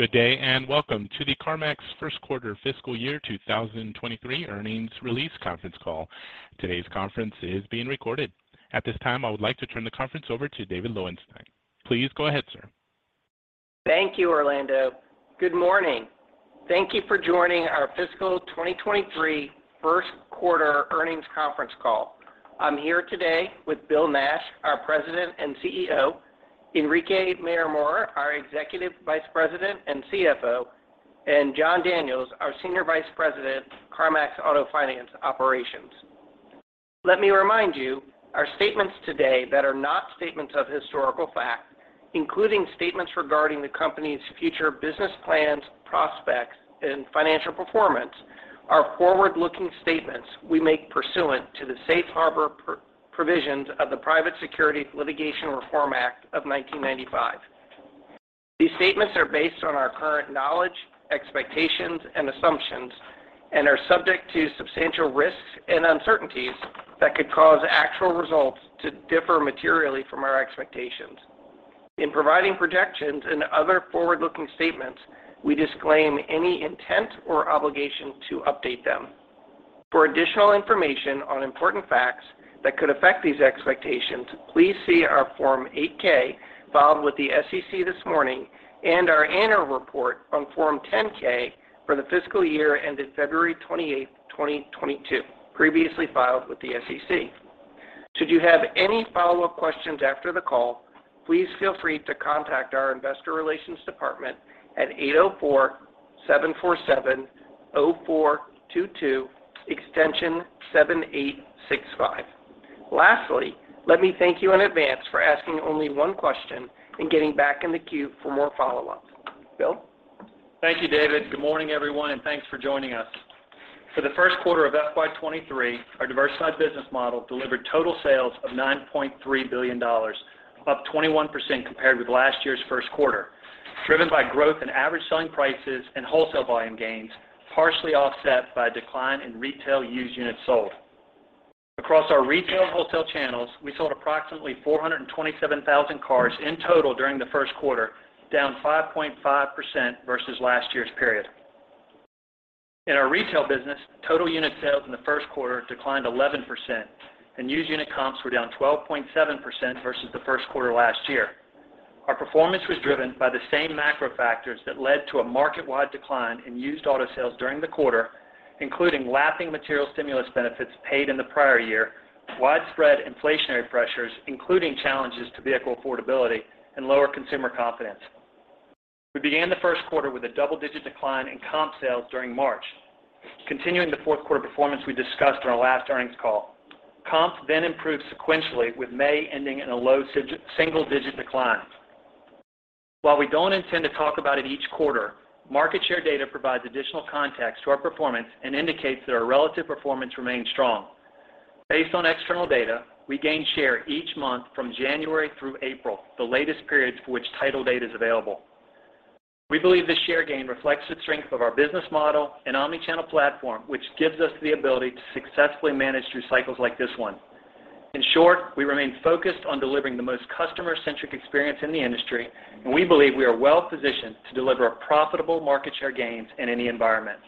Good day, and welcome to the CarMax First Quarter Fiscal Year 2023 Earnings Release Conference Call. Today's conference is being recorded. At this time, I would like to turn the conference over to David Lowenstein. Please go ahead, sir. Thank you, Orlando. Good morning. Thank you for joining our fiscal 2023 First quarter earnings conference call. I'm here today with Bill Nash, our President and CEO, Enrique Mayor-Mora, our Executive Vice President and CFO, and Jon Daniels, our Senior Vice President, CarMax Auto Finance Operations. Let me remind you, our statements today that are not statements of historical fact, including statements regarding the company's future business plans, prospects, and financial performance, are forward-looking statements we make pursuant to the safe harbor provisions of the Private Securities Litigation Reform Act of 1995. These statements are based on our current knowledge, expectations, and assumptions, and are subject to substantial risks and uncertainties that could cause actual results to differ materially from our expectations. In providing projections and other forward-looking statements, we disclaim any intent or obligation to update them. For additional information on important facts that could affect these expectations, please see our Form 8-K filed with the SEC this morning and our annual report on Form 10-K for the fiscal year ended February 28th, 2022, previously filed with the SEC. Should you have any follow-up questions after the call, please feel free to contact our investor relations department at 804-747-0422 extension 7865. Lastly, let me thank you in advance for asking only one question and getting back in the queue for more follow-up. Bill? Thank you, David. Good morning, everyone, and thanks for joining us. For the first quarter of FY 2023, our diversified business model delivered total sales of $9.3 billion, up 21% compared with last year's first quarter, driven by growth in average selling prices and wholesale volume gains, partially offset by a decline in retail used units sold. Across our retail and wholesale channels, we sold approximately 427,000 cars in total during the first quarter, down 5.5% versus last year's period. In our retail business, total unit sales in the first quarter declined 11% and used unit comps were down 12.7% versus the first quarter last year. Our performance was driven by the same macro factors that led to a market-wide decline in used auto sales during the quarter, including lapping material stimulus benefits paid in the prior year, widespread inflationary pressures, including challenges to vehicle affordability and lower consumer confidence. We began the first quarter with a double-digit decline in comp sales during March, continuing the fourth quarter performance we discussed on our last earnings call. Comps then improved sequentially, with May ending in a low single-digit decline. While we don't intend to talk about it each quarter, market share data provides additional context to our performance and indicates that our relative performance remains strong. Based on external data, we gained share each month from January through April, the latest periods for which title data is available. We believe this share gain reflects the strength of our business model and omni-channel platform, which gives us the ability to successfully manage through cycles like this one. In short, we remain focused on delivering the most customer-centric experience in the industry, and we believe we are well positioned to deliver profitable market share gains in any environment.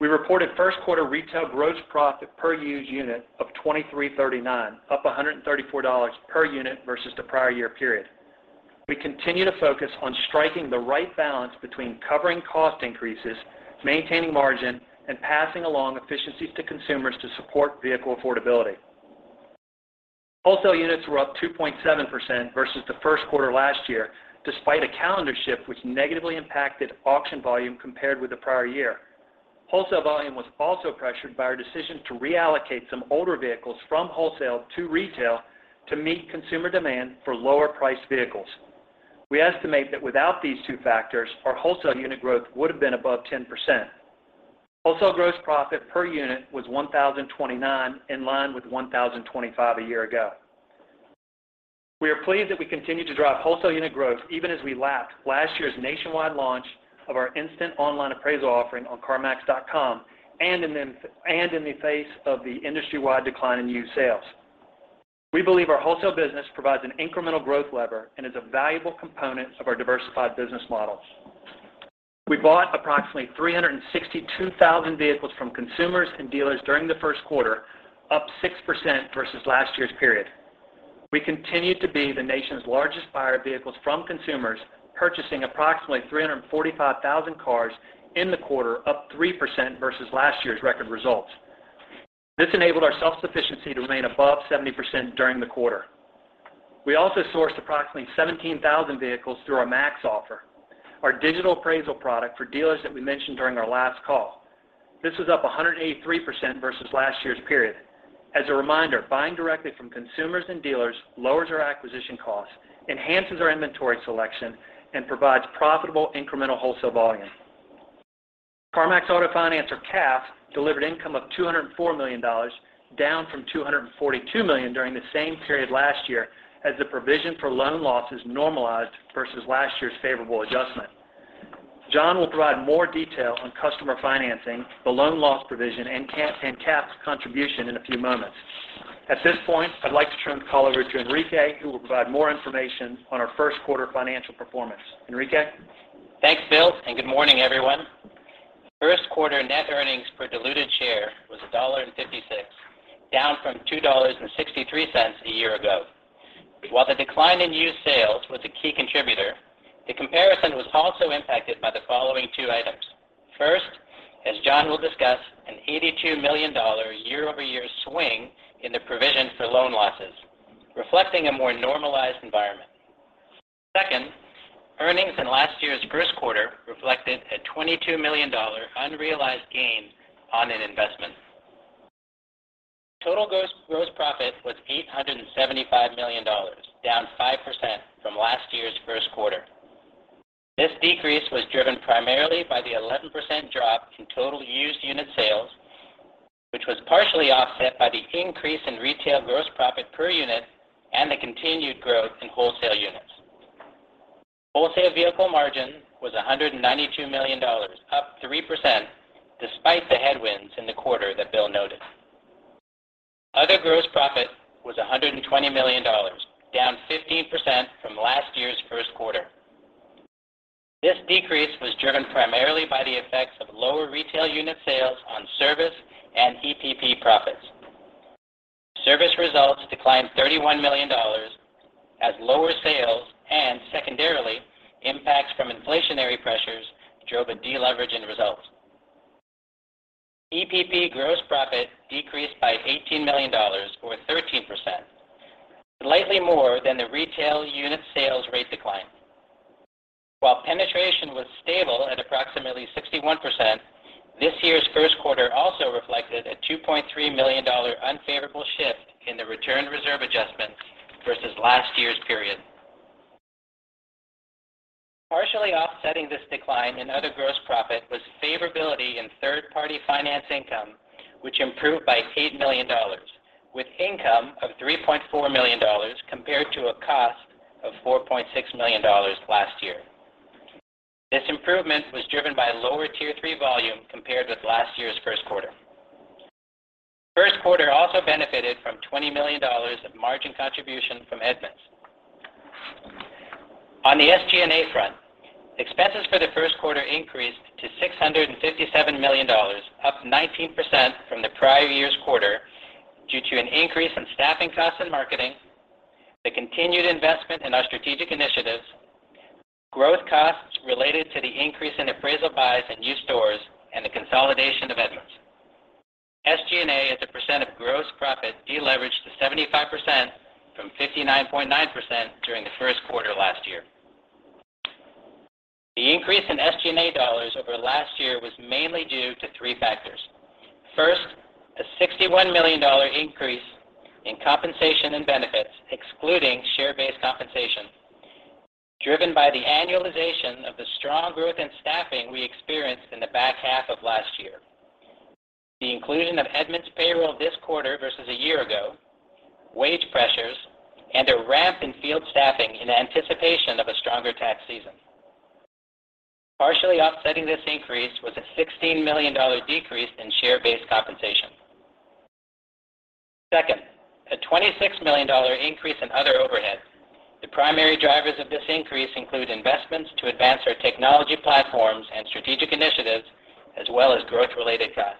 We reported first quarter retail gross profit per used unit of $2,339, up $134 per unit versus the prior year period. We continue to focus on striking the right balance between covering cost increases, maintaining margin, and passing along efficiencies to consumers to support vehicle affordability. Wholesale units were up 2.7% versus the first quarter last year, despite a calendar shift which negatively impacted auction volume compared with the prior year. Wholesale volume was also pressured by our decision to reallocate some older vehicles from wholesale to retail to meet consumer demand for lower-priced vehicles. We estimate that without these two factors, our wholesale unit growth would have been above 10%. Wholesale gross profit per unit was $1,029, in line with $1,025 a year ago. We are pleased that we continue to drive wholesale unit growth even as we lap last year's nationwide launch of our instant online appraisal offering on carmax.com and in the face of the industry-wide decline in used sales. We believe our wholesale business provides an incremental growth lever and is a valuable component of our diversified business model. We bought approximately 362,000 vehicles from consumers and dealers during the first quarter, up 6% versus last year's period. We continued to be the nation's largest buyer of vehicles from consumers, purchasing approximately 345,000 cars in the quarter, up 3% versus last year's record results. This enabled our self-sufficiency to remain above 70% during the quarter. We also sourced approximately 17,000 vehicles through our MaxOffer, our digital appraisal product for dealers that we mentioned during our last call. This is up 183% versus last year's period. As a reminder, buying directly from consumers and dealers lowers our acquisition costs, enhances our inventory selection, and provides profitable incremental wholesale volume. CarMax Auto Finance or CAF delivered income of $204 million, down from $242 million during the same period last year as the provision for loan losses normalized versus last year's favorable adjustment. Jon will provide more detail on customer financing, the loan loss provision, and CAF and CAF's contribution in a few moments. At this point, I'd like to turn the call over to Enrique, who will provide more information on our first quarter financial performance. Enrique? Thanks, Bill, and good morning, everyone. First quarter net earnings per diluted share was $1.56, down from $2.63 a year ago. While the decline in used sales was a key contributor, the comparison was also impacted by the following two items. First, as Jon will discuss, an $82 million year-over-year swing in the provision for loan losses, reflecting a more normalized environment. Second, earnings in last year's first quarter reflected a $22 million unrealized gain on an investment. Total gross profit was $875 million, down 5% from last year's first quarter. This decrease was driven primarily by the 11% drop in total used unit sales, which was partially offset by the increase in retail gross profit per unit and the continued growth in wholesale units. Wholesale vehicle margin was $192 million, up 3% despite the headwinds in the quarter that Bill noted. Other gross profit was $120 million, down 15% from last year's first quarter. This decrease was driven primarily by the effects of lower retail unit sales on service and EPP profits. Service results declined $31 million as lower sales and secondarily impacts from inflationary pressures drove a deleverage in results. EPP gross profit decreased by $18 million or 13%, slightly more than the retail unit sales rate decline. While penetration was stable at approximately 61%, this year's first quarter also reflected a $2.3 million dollar unfavorable shift in the return reserve adjustments versus last year's period. Partially offsetting this decline in other gross profit was favorability in third-party finance income, which improved by $8 million, with income of $3.4 million compared to a cost of $4.6 million last year. This improvement was driven by lower Tier 3 volume compared with last year's first quarter. First quarter also benefited from $20 million of margin contribution from Edmunds. On the SG&A front, expenses for the first quarter increased to $657 million, up 19% from the prior year's quarter due to an increase in staffing costs and marketing, the continued investment in our strategic initiatives, growth costs related to the increase in appraisal buys and used stores, and the consolidation of Edmunds. SG&A as a percent of gross profit deleveraged to 75% from 59.9% during the first quarter last year. The increase in SG&A dollars over last year was mainly due to three factors. First, a $61 million increase in compensation and benefits, excluding share-based compensation, driven by the annualization of the strong growth in staffing we experienced in the back half of last year, the inclusion of Edmunds' payroll this quarter versus a year ago, wage pressures, and a ramp in field staffing in anticipation of a stronger tax season. Partially offsetting this increase was a $16 million decrease in share-based compensation. Second, a $26 million increase in other overhead. The primary drivers of this increase include investments to advance our technology platforms and strategic initiatives, as well as growth-related costs.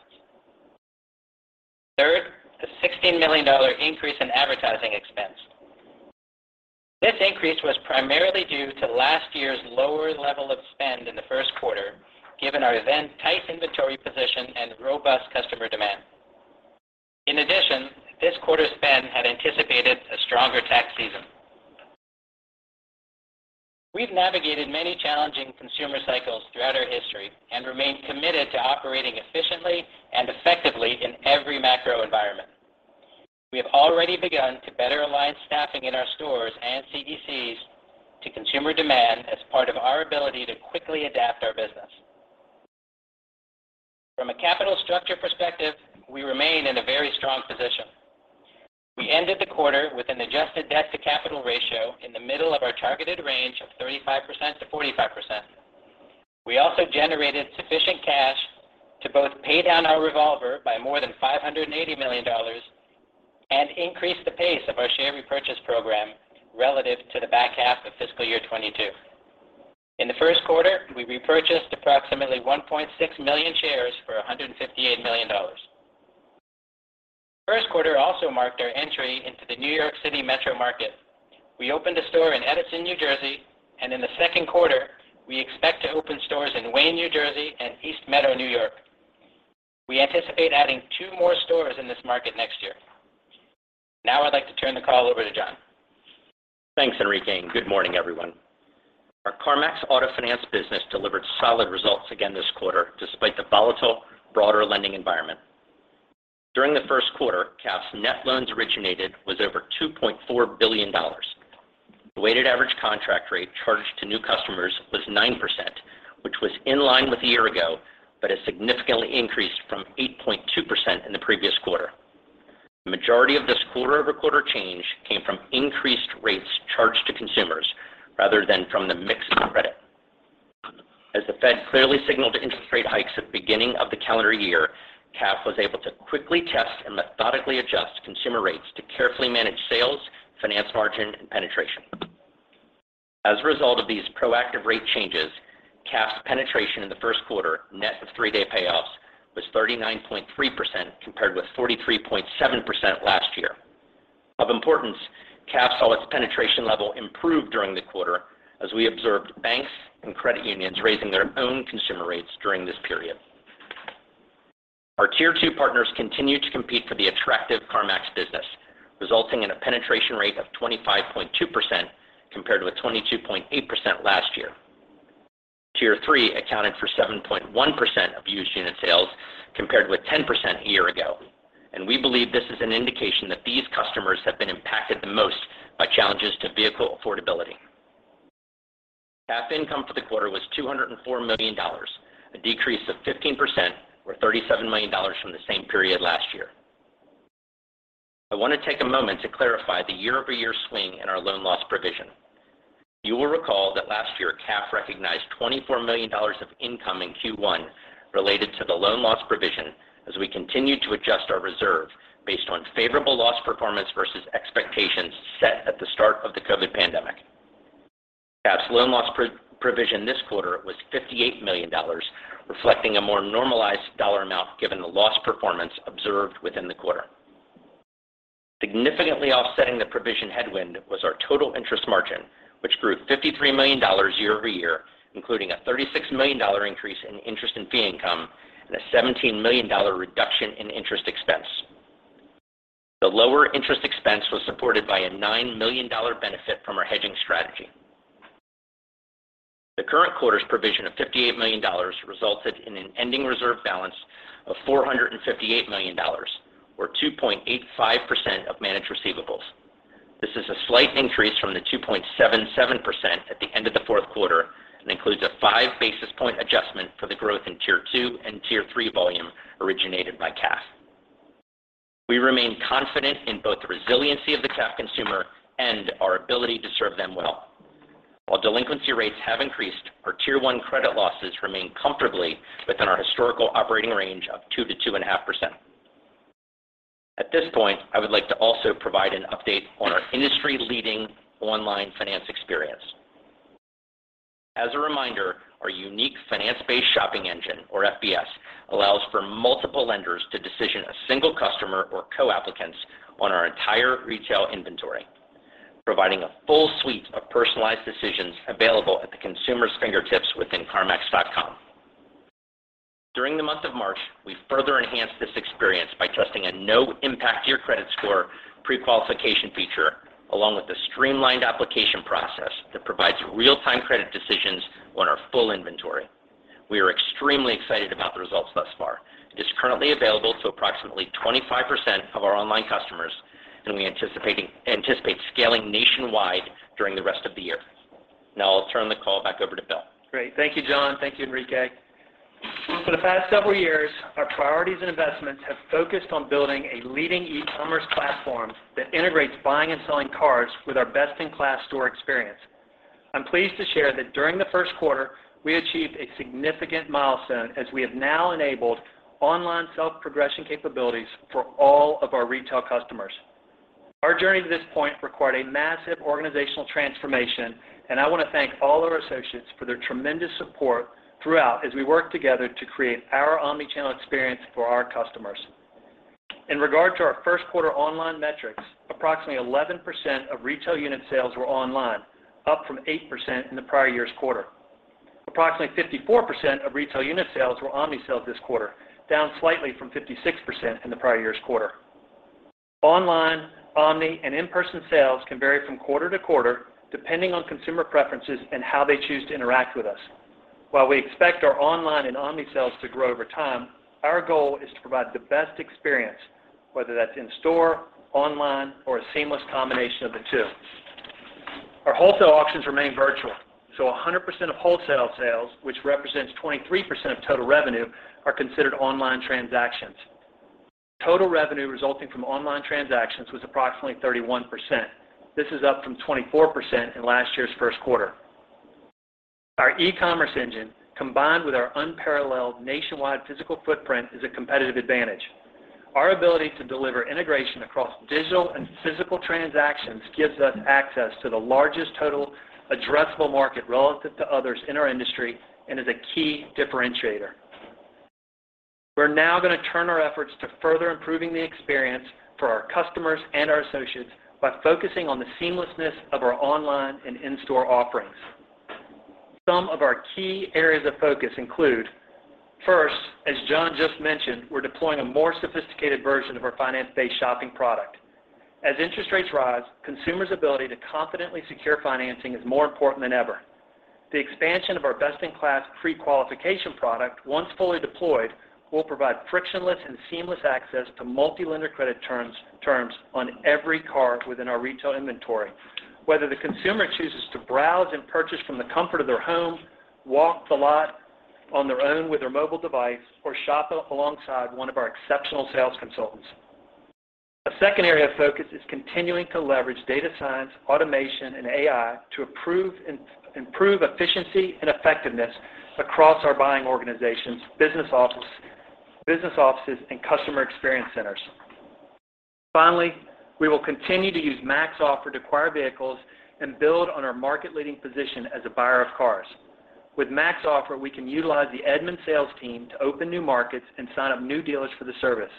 Third, a $16 million increase in advertising expense. This increase was primarily due to last year's lower level of spend in the first quarter, given our then tight inventory position and robust customer demand. In addition, this quarter's spend had anticipated a stronger tax season. We've navigated many challenging consumer cycles throughout our history and remain committed to operating efficiently and effectively in every macro environment. We have already begun to better align staffing in our stores and CECs to consumer demand as part of our ability to quickly adapt our business. From a capital structure perspective, we remain in a very strong position. We ended the quarter with an adjusted debt-to-capital ratio in the middle of our targeted range of 35%-45%. We also generated sufficient cash to both pay down our revolver by more than $580 million and increase the pace of our share repurchase program relative to the back half of fiscal year 2022. In the first quarter, we repurchased approximately 1.6 million shares for $158 million. First quarter also marked our entry into the New York City metro market. We opened a store in Edison, New Jersey, and in the second quarter, we expect to open stores in Wayne, New Jersey, and East Meadow, New York. We anticipate adding two more stores in this market next year. Now I'd like to turn the call over to Jon. Thanks, Enrique, and good morning, everyone. Our CarMax Auto Finance business delivered solid results again this quarter, despite the volatile broader lending environment. During the first quarter, CAF's net loans originated was over $2.4 billion. The weighted average contract rate charged to new customers was 9%, which was in line with a year ago, but a significant increase from 8.2% in the previous quarter. The majority of this quarter-over-quarter change came from increased rates charged to consumers rather than from the mix of credit. As the Fed clearly signaled interest rate hikes at the beginning of the calendar year, CAF was able to quickly test and methodically adjust consumer rates to carefully manage sales, finance margin, and penetration. As a result of these proactive rate changes, CAF's penetration in the first quarter, net of three-day payoffs, was 39.3% compared with 43.7% last year. Of importance, CAF saw its penetration level improve during the quarter as we observed banks and credit unions raising their own consumer rates during this period. Our Tier 2 partners continued to compete for the attractive CarMax business, resulting in a penetration rate of 25.2% compared with 22.8% last year. Tier 3 accounted for 7.1% of used unit sales compared with 10% a year ago, and we believe this is an indication that these customers have been impacted the most by challenges to vehicle affordability. CAF income for the quarter was $204 million, a decrease of 15% or $37 million from the same period last year. I want to take a moment to clarify the year-over-year swing in our loan loss provision. You will recall that last year, CAF recognized $24 million of income in Q1 related to the loan loss provision as we continued to adjust our reserve based on favorable loss performance versus expectations set at the start of the COVID pandemic. CAF's loan loss provision this quarter was $58 million, reflecting a more normalized dollar amount given the loss performance observed within the quarter. Significantly offsetting the provision headwind was our total interest margin, which grew $53 million year over year, including a $36 million increase in interest and fee income and a $17 million reduction in interest expense. The lower interest expense was supported by a $9 million benefit from our hedging strategy. The current quarter's provision of $58 million resulted in an ending reserve balance of $458 million or 2.85% of managed receivables. This is a slight increase from the 2.77% at the end of the fourth quarter and includes a 5 basis point adjustment for the growth in Tier 2 and Tier 3 volume originated by CAF. We remain confident in both the resiliency of the CAF consumer and our ability to serve them well. While delinquency rates have increased, our Tier 1 credit losses remain comfortably within our historical operating range of 2%-2.5%. At this point, I would like to also provide an update on our industry-leading online finance experience. As a reminder, our unique finance-based shopping engine, or FBS, allows for multiple lenders to decision a single customer or co-applicants on our entire retail inventory, providing a full suite of personalized decisions available at the consumer's fingertips within CarMax.com. During the month of March, we further enhanced this experience by introducing a no impact to your credit score prequalification feature, along with the streamlined application process that provides real-time credit decisions on our full inventory. We are extremely excited about the results thus far. It is currently available to approximately 25% of our online customers, and we anticipate scaling nationwide during the rest of the year. Now I'll turn the call back over to Bill. Great. Thank you, Jon. Thank you, Enrique. For the past several years, our priorities and investments have focused on building a leading e-commerce platform that integrates buying and selling cars with our best-in-class store experience. I'm pleased to share that during the first quarter, we achieved a significant milestone as we have now enabled online self-progression capabilities for all of our retail customers. Our journey to this point required a massive organizational transformation, and I want to thank all our associates for their tremendous support throughout as we work together to create our omni-channel experience for our customers. In regard to our first quarter online metrics, approximately 11% of retail unit sales were online, up from 8% in the prior year's quarter. Approximately 54% of retail unit sales were omni sell this quarter, down slightly from 56% in the prior year's quarter. Online, omni, and in-person sales can vary from quarter to quarter, depending on consumer preferences and how they choose to interact with us. While we expect our online and omni sales to grow over time, our goal is to provide the best experience, whether that's in store, online, or a seamless combination of the two. Our wholesale auctions are virtual, so 100% of wholesale sales, which represents 23% of total revenue, are considered online transactions. Total revenue resulting from online transactions was approximately 31%. This is up from 24% in last year's first quarter. Our e-commerce engine, combined with our unparalleled nationwide physical footprint, is a competitive advantage. Our ability to deliver integration across digital and physical transactions gives us access to the largest total addressable market relative to others in our industry and is a key differentiator. We're now going to turn our efforts to further improving the experience for our customers and our associates by focusing on the seamlessness of our online and in-store offerings. Some of our key areas of focus include, first, as Jon just mentioned, we're deploying a more sophisticated version of our finance-based shopping product. As interest rates rise, consumers' ability to confidently secure financing is more important than ever. The expansion of our best-in-class prequalification product, once fully deployed, will provide frictionless and seamless access to multi-lender credit terms on every car within our retail inventory. Whether the consumer chooses to browse and purchase from the comfort of their home, walk the lot on their own with their mobile device or shop alongside one of our exceptional sales consultants. A second area of focus is continuing to leverage data science, automation, and AI to approve and improve efficiency and effectiveness across our buying organizations, business offices, and customer experience centers. Finally, we will continue to use MaxOffer to acquire vehicles and build on our market-leading position as a buyer of cars. With MaxOffer, we can utilize the Edmunds sales team to open new markets and sign up new dealers for the service.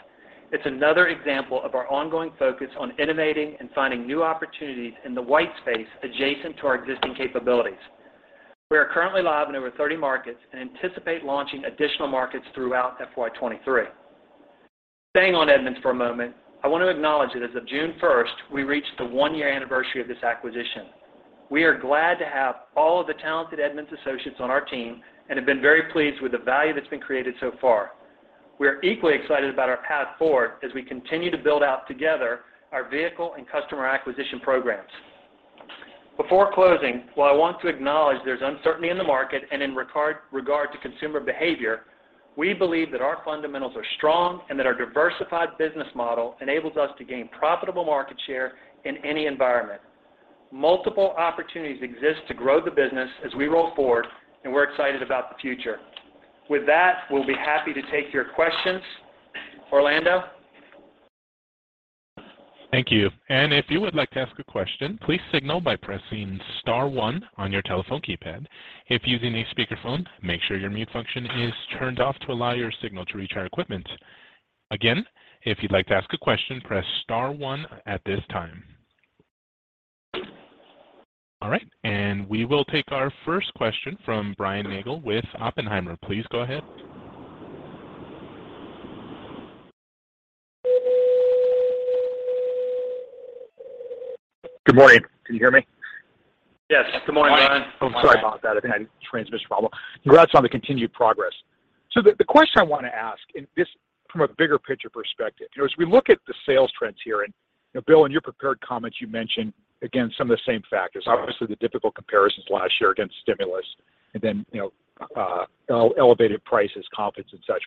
It's another example of our ongoing focus on innovating and finding new opportunities in the white space adjacent to our existing capabilities. We are currently live in over 30 markets and anticipate launching additional markets throughout FY 2023. Staying on Edmunds for a moment, I want to acknowledge that as of June 1st, we reached the one-year anniversary of this acquisition. We are glad to have all of the talented Edmunds associates on our team and have been very pleased with the value that's been created so far. We are equally excited about our path forward as we continue to build out together our vehicle and customer acquisition programs. Before closing, while I want to acknowledge there's uncertainty in the market and in regard to consumer behavior, we believe that our fundamentals are strong and that our diversified business model enables us to gain profitable market share in any environment. Multiple opportunities exist to grow the business as we roll forward, and we're excited about the future. With that, we'll be happy to take your questions. Orlando? Thank you. If you would like to ask a question, please signal by pressing star one on your telephone keypad. If using a speakerphone, make sure your mute function is turned off to allow your signal to reach our equipment. Again, if you'd like to ask a question, press star one at this time. All right, we will take our first question from Brian Nagel with Oppenheimer. Please go ahead. Good morning. Can you hear me? Yes. Good morning, Brian. Oh, sorry about that. I think I had a transmission problem. Congrats on the continued progress. The question I want to ask, and this from a bigger picture perspective, you know, as we look at the sales trends here, and, you know, Bill, in your prepared comments, you mentioned again some of the same factors. Obviously, the difficult comparisons last year against stimulus and then, you know, elevated prices, confidence, and such.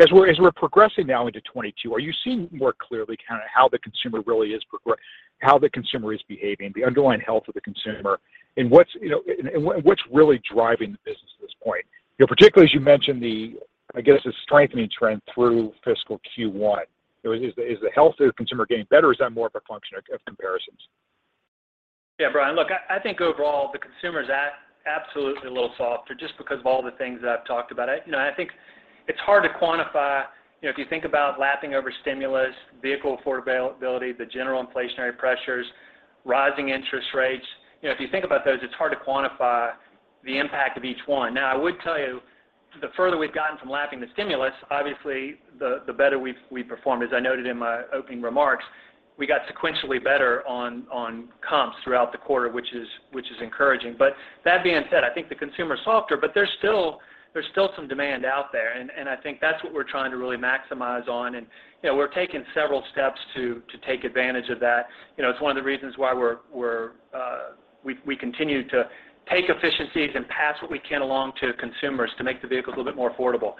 As we're progressing now into 2022, are you seeing more clearly kind of how the consumer really is behaving, the underlying health of the consumer? What's, you know, and what's really driving the business at this point? You know, particularly as you mentioned the, I guess, the strengthening trend through fiscal Q1. You know, is the health of the consumer getting better, or is that more of a function of comparisons? Yeah, Brian, look, I think overall, the consumer is absolutely a little softer just because of all the things that I've talked about. You know, I think it's hard to quantify, you know, if you think about lapping the stimulus, vehicle affordability, the general inflationary pressures, rising interest rates. You know, if you think about those, it's hard to quantify the impact of each one. Now, I would tell you, the further we've gotten from lapping the stimulus, obviously, the better we've performed. As I noted in my opening remarks, we got sequentially better on comps throughout the quarter, which is encouraging. That being said, I think the consumer is softer, but there's still some demand out there. I think that's what we're trying to really maximize on. You know, we're taking several steps to take advantage of that. You know, it's one of the reasons why we continue to take efficiencies and pass what we can along to consumers to make the vehicles a little bit more affordable.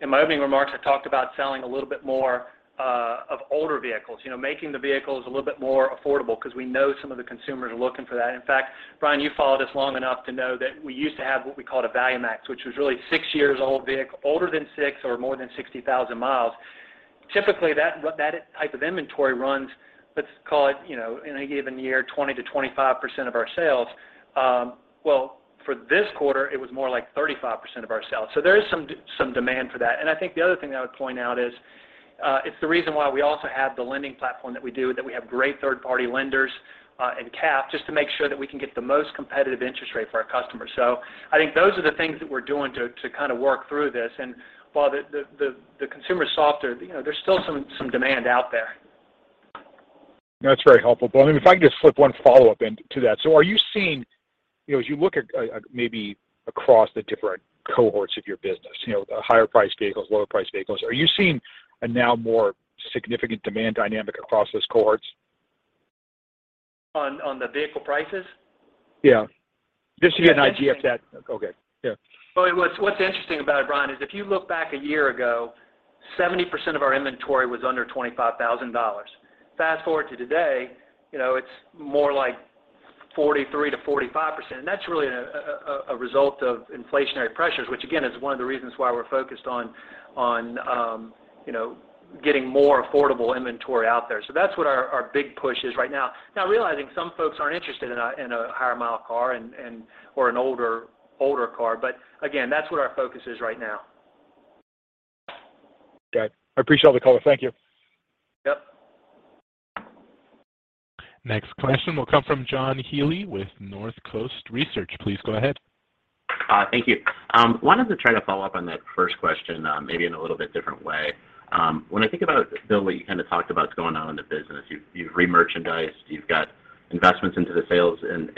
In my opening remarks, I talked about selling a little bit more of older vehicles. You know, making the vehicles a little bit more affordable because we know some of the consumers are looking for that. In fact, Brian, you've followed us long enough to know that we used to have what we called a ValueMax, which was really a six-year-old vehicle, older than six or more than 60,000 miles. Typically, that type of inventory runs, let's call it, you know, in a given year, 20%-25% of our sales. Well, for this quarter, it was more like 35% of our sales. So there is some demand for that. I think the other thing that I would point out is, it's the reason why we also have the lending platform that we do, that we have great third-party lenders, and CAF just to make sure that we can get the most competitive interest rate for our customers. So I think those are the things that we're doing to kind of work through this. While the consumer is softer, you know, there's still some demand out there. That's very helpful. Bill, I mean, if I can just slip one follow-up into that. Are you seeing, you know, as you look at, maybe across the different cohorts of your business, you know, higher priced vehicles, lower priced vehicles, are you seeing a now more significant demand dynamic across those cohorts? On the vehicle prices? Yeah. Just to get an idea of that. Okay. Yeah. Well, what's interesting about it, Brian, is if you look back a year ago, 70% of our inventory was under $25,000. Fast-forward to today, you know, it's more like 43%-45%. That's really a result of inflationary pressures, which again, is one of the reasons why we're focused on you know, getting more affordable inventory out there. That's what our big push is right now. Realizing some folks aren't interested in a higher mile car and or an older car, but again, that's what our focus is right now. Okay. I appreciate the color. Thank you. Yep. Next question will come from John Healy with Northcoast Research. Please go ahead. Thank you. Wanted to try to follow up on that first question, maybe in a little bit different way. When I think about, Bill, what you kind of talked about going on in the business, you've remerchandised, you've got investments into the sales and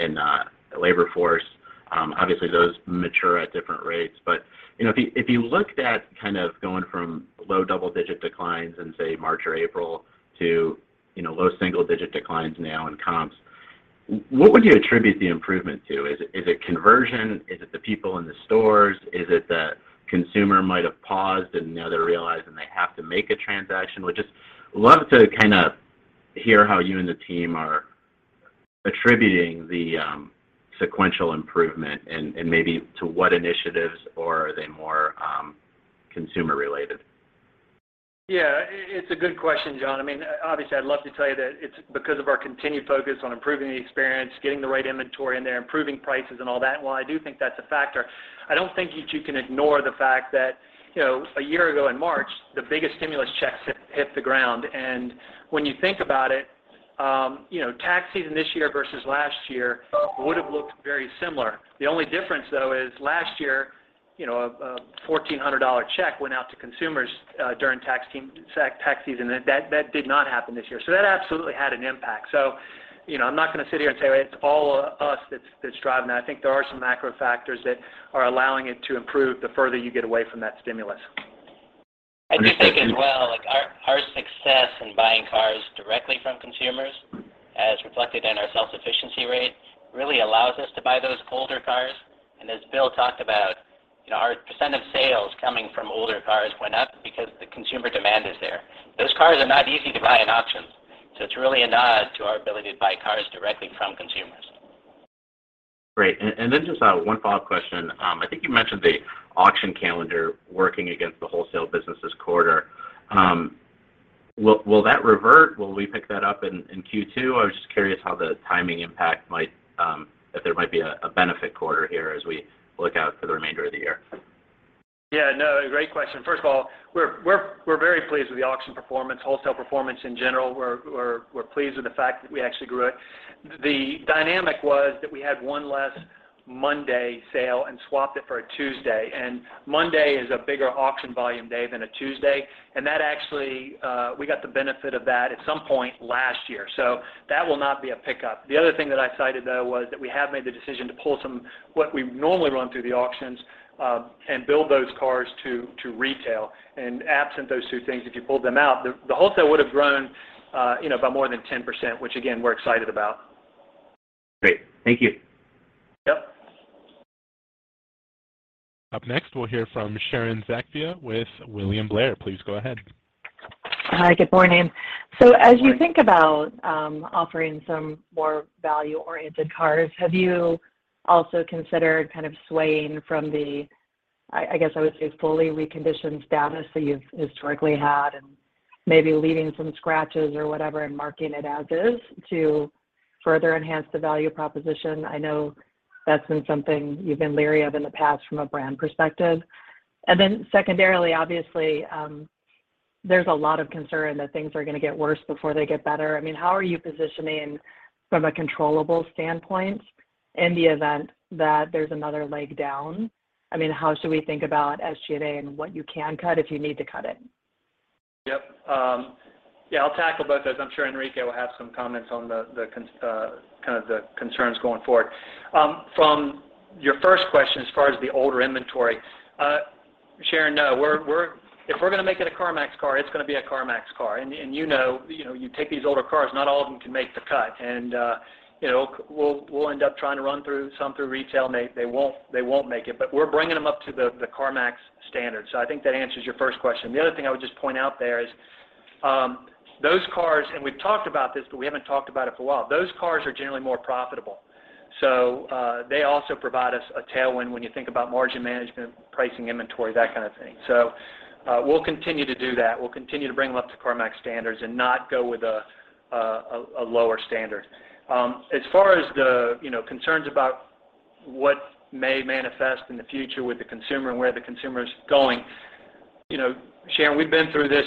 labor force. Obviously, those mature at different rates. You know, if you looked at kind of going from low double-digit declines in, say, March or April to, you know, low single-digit declines now in comps. What would you attribute the improvement to? Is it conversion? Is it the people in the stores? Is it that consumer might have paused and now they're realizing they have to make a transaction? I would just love to kinda hear how you and the team are attributing the sequential improvement and maybe to what initiatives or are they more consumer related? It's a good question, John. I mean, obviously I'd love to tell you that it's because of our continued focus on improving the experience, getting the right inventory in there, improving prices and all that. While I do think that's a factor, I don't think that you can ignore the fact that, you know, a year ago in March, the biggest stimulus checks hit the ground. When you think about it, you know, tax season this year versus last year would've looked very similar. The only difference though is last year, you know, a $1,400 check went out to consumers during tax season. That did not happen this year. That absolutely had an impact. You know, I'm not gonna sit here and say it's all us that's driving that. I think there are some macro factors that are allowing it to improve the further you get away from that stimulus. Understood. Thank you. I do think as well, like our success in buying cars directly from consumers, as reflected in our self-sufficiency rate, really allows us to buy those older cars. As Bill talked about, you know, our percent of sales coming from older cars went up because the consumer demand is there. Those cars are not easy to buy in auctions, so it's really a nod to our ability to buy cars directly from consumers. Great. Just one follow-up question. I think you mentioned the auction calendar working against the wholesale business this quarter. Will that revert? Will we pick that up in Q2? I was just curious how the timing impact might if there might be a benefit quarter here as we look out for the remainder of the year. Yeah. No. Great question. First of all, we're very pleased with the auction performance, wholesale performance in general. We're pleased with the fact that we actually grew it. The dynamic was that we had one less Monday sale and swapped it for a Tuesday, and Monday is a bigger auction volume day than a Tuesday. That actually, we got the benefit of that at some point last year. That will not be a pickup. The other thing that I cited though was that we have made the decision to pull some, what we normally run through the auctions, and build those cars to retail. Absent those two things, if you pulled them out, the wholesale would've grown, you know, by more than 10%, which again, we're excited about. Great. Thank you. Yep. Up next, we'll hear from Sharon Zackfia with William Blair. Please go ahead. Hi. Good morning. Good morning. As you think about offering some more value-oriented cars, have you also considered kind of swaying from the, I guess I would say fully reconditioned status that you've historically had, and maybe leaving some scratches or whatever and marking it as is to further enhance the value proposition? I know that's been something you've been leery of in the past from a brand perspective. Then secondarily, obviously, there's a lot of concern that things are gonna get worse before they get better. I mean, how are you positioning from a controllable standpoint in the event that there's another leg down? I mean, how should we think about SG&A and what you can cut if you need to cut it? Yep. I'll tackle both those. I'm sure Enrique will have some comments on the kind of concerns going forward. From your first question as far as the older inventory, Sharon, no. If we're gonna make it a CarMax car, it's gonna be a CarMax car. You know, you take these older cars, not all of them can make the cut. You know, we'll end up trying to run some through retail, and they won't make it. We're bringing them up to the CarMax standards. I think that answers your first question. The other thing I would just point out there is, those cars, and we've talked about this, but we haven't talked about it for a while, those cars are generally more profitable. They also provide us a tailwind when you think about margin management, pricing inventory, that kind of thing. We'll continue to do that. We'll continue to bring them up to CarMax standards and not go with a lower standard. As far as the concerns about what may manifest in the future with the consumer and where the consumer is going, you know, Sharon, we've been through this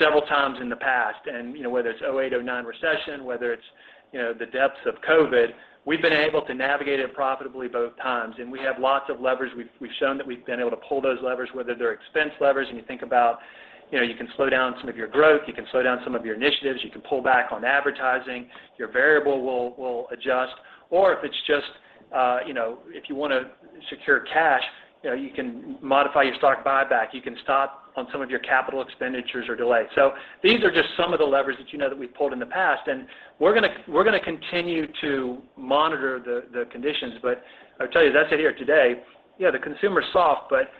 several times in the past. You know, whether it's 2008, 2009 recession, whether it's the depths of COVID, we've been able to navigate it profitably both times. We have lots of levers. We've shown that we've been able to pull those levers, whether they're expense levers. You think about, you know, you can slow down some of your growth, you can slow down some of your initiatives, you can pull back on advertising. Your variable will adjust. If it's just, you know, if you wanna secure cash, you know, you can modify your stock buyback. You can stop on some of your capital expenditures or delay. These are just some of the levers that you know that we've pulled in the past, and we're gonna continue to monitor the conditions. I'll tell you, as I sit here today, yeah, the consumer's soft, but,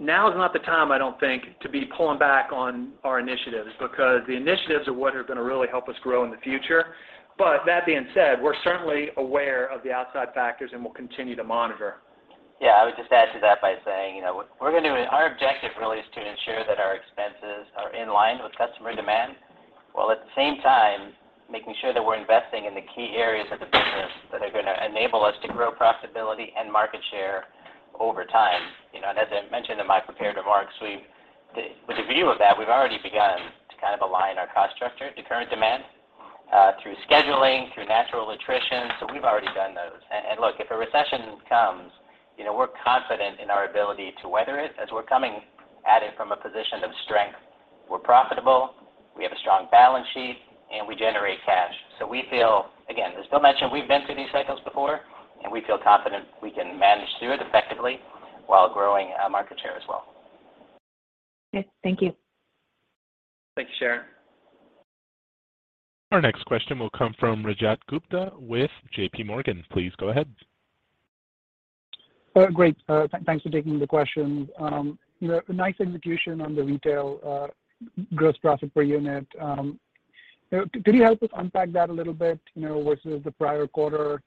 now is not the time, I don't think, to be pulling back on our initiatives because the initiatives are what are gonna really help us grow in the future. But that being said, we're certainly aware of the outside factors and we'll continue to monitor. Yeah. I would just add to that by saying, you know what, we're gonna do it. Our objective really is to ensure that our expenses are in line with customer demand, while at the same time making sure that we're investing in the key areas of the business that are gonna enable us to grow profitability and market share over time. You know, and as I mentioned in my prepared remarks, with the view of that, we've already begun to kind of align our cost structure to current demand through scheduling, through natural attrition. We've already done those. Look, if a recession comes, you know, we're confident in our ability to weather it as we're coming at it from a position of strength. We're profitable, we have a strong balance sheet, and we generate cash. We feel, again, as Bill mentioned, we've been through these cycles before, and we feel confident we can manage through it effectively while growing market share as well. Okay. Thank you. Thanks, Sharon. Our next question will come from Rajat Gupta with JPMorgan. Please go ahead. Great. Thanks for taking the questions. You know, nice execution on the retail gross profit per unit. You know, could you help us unpack that a little bit, you know, versus the prior quarter?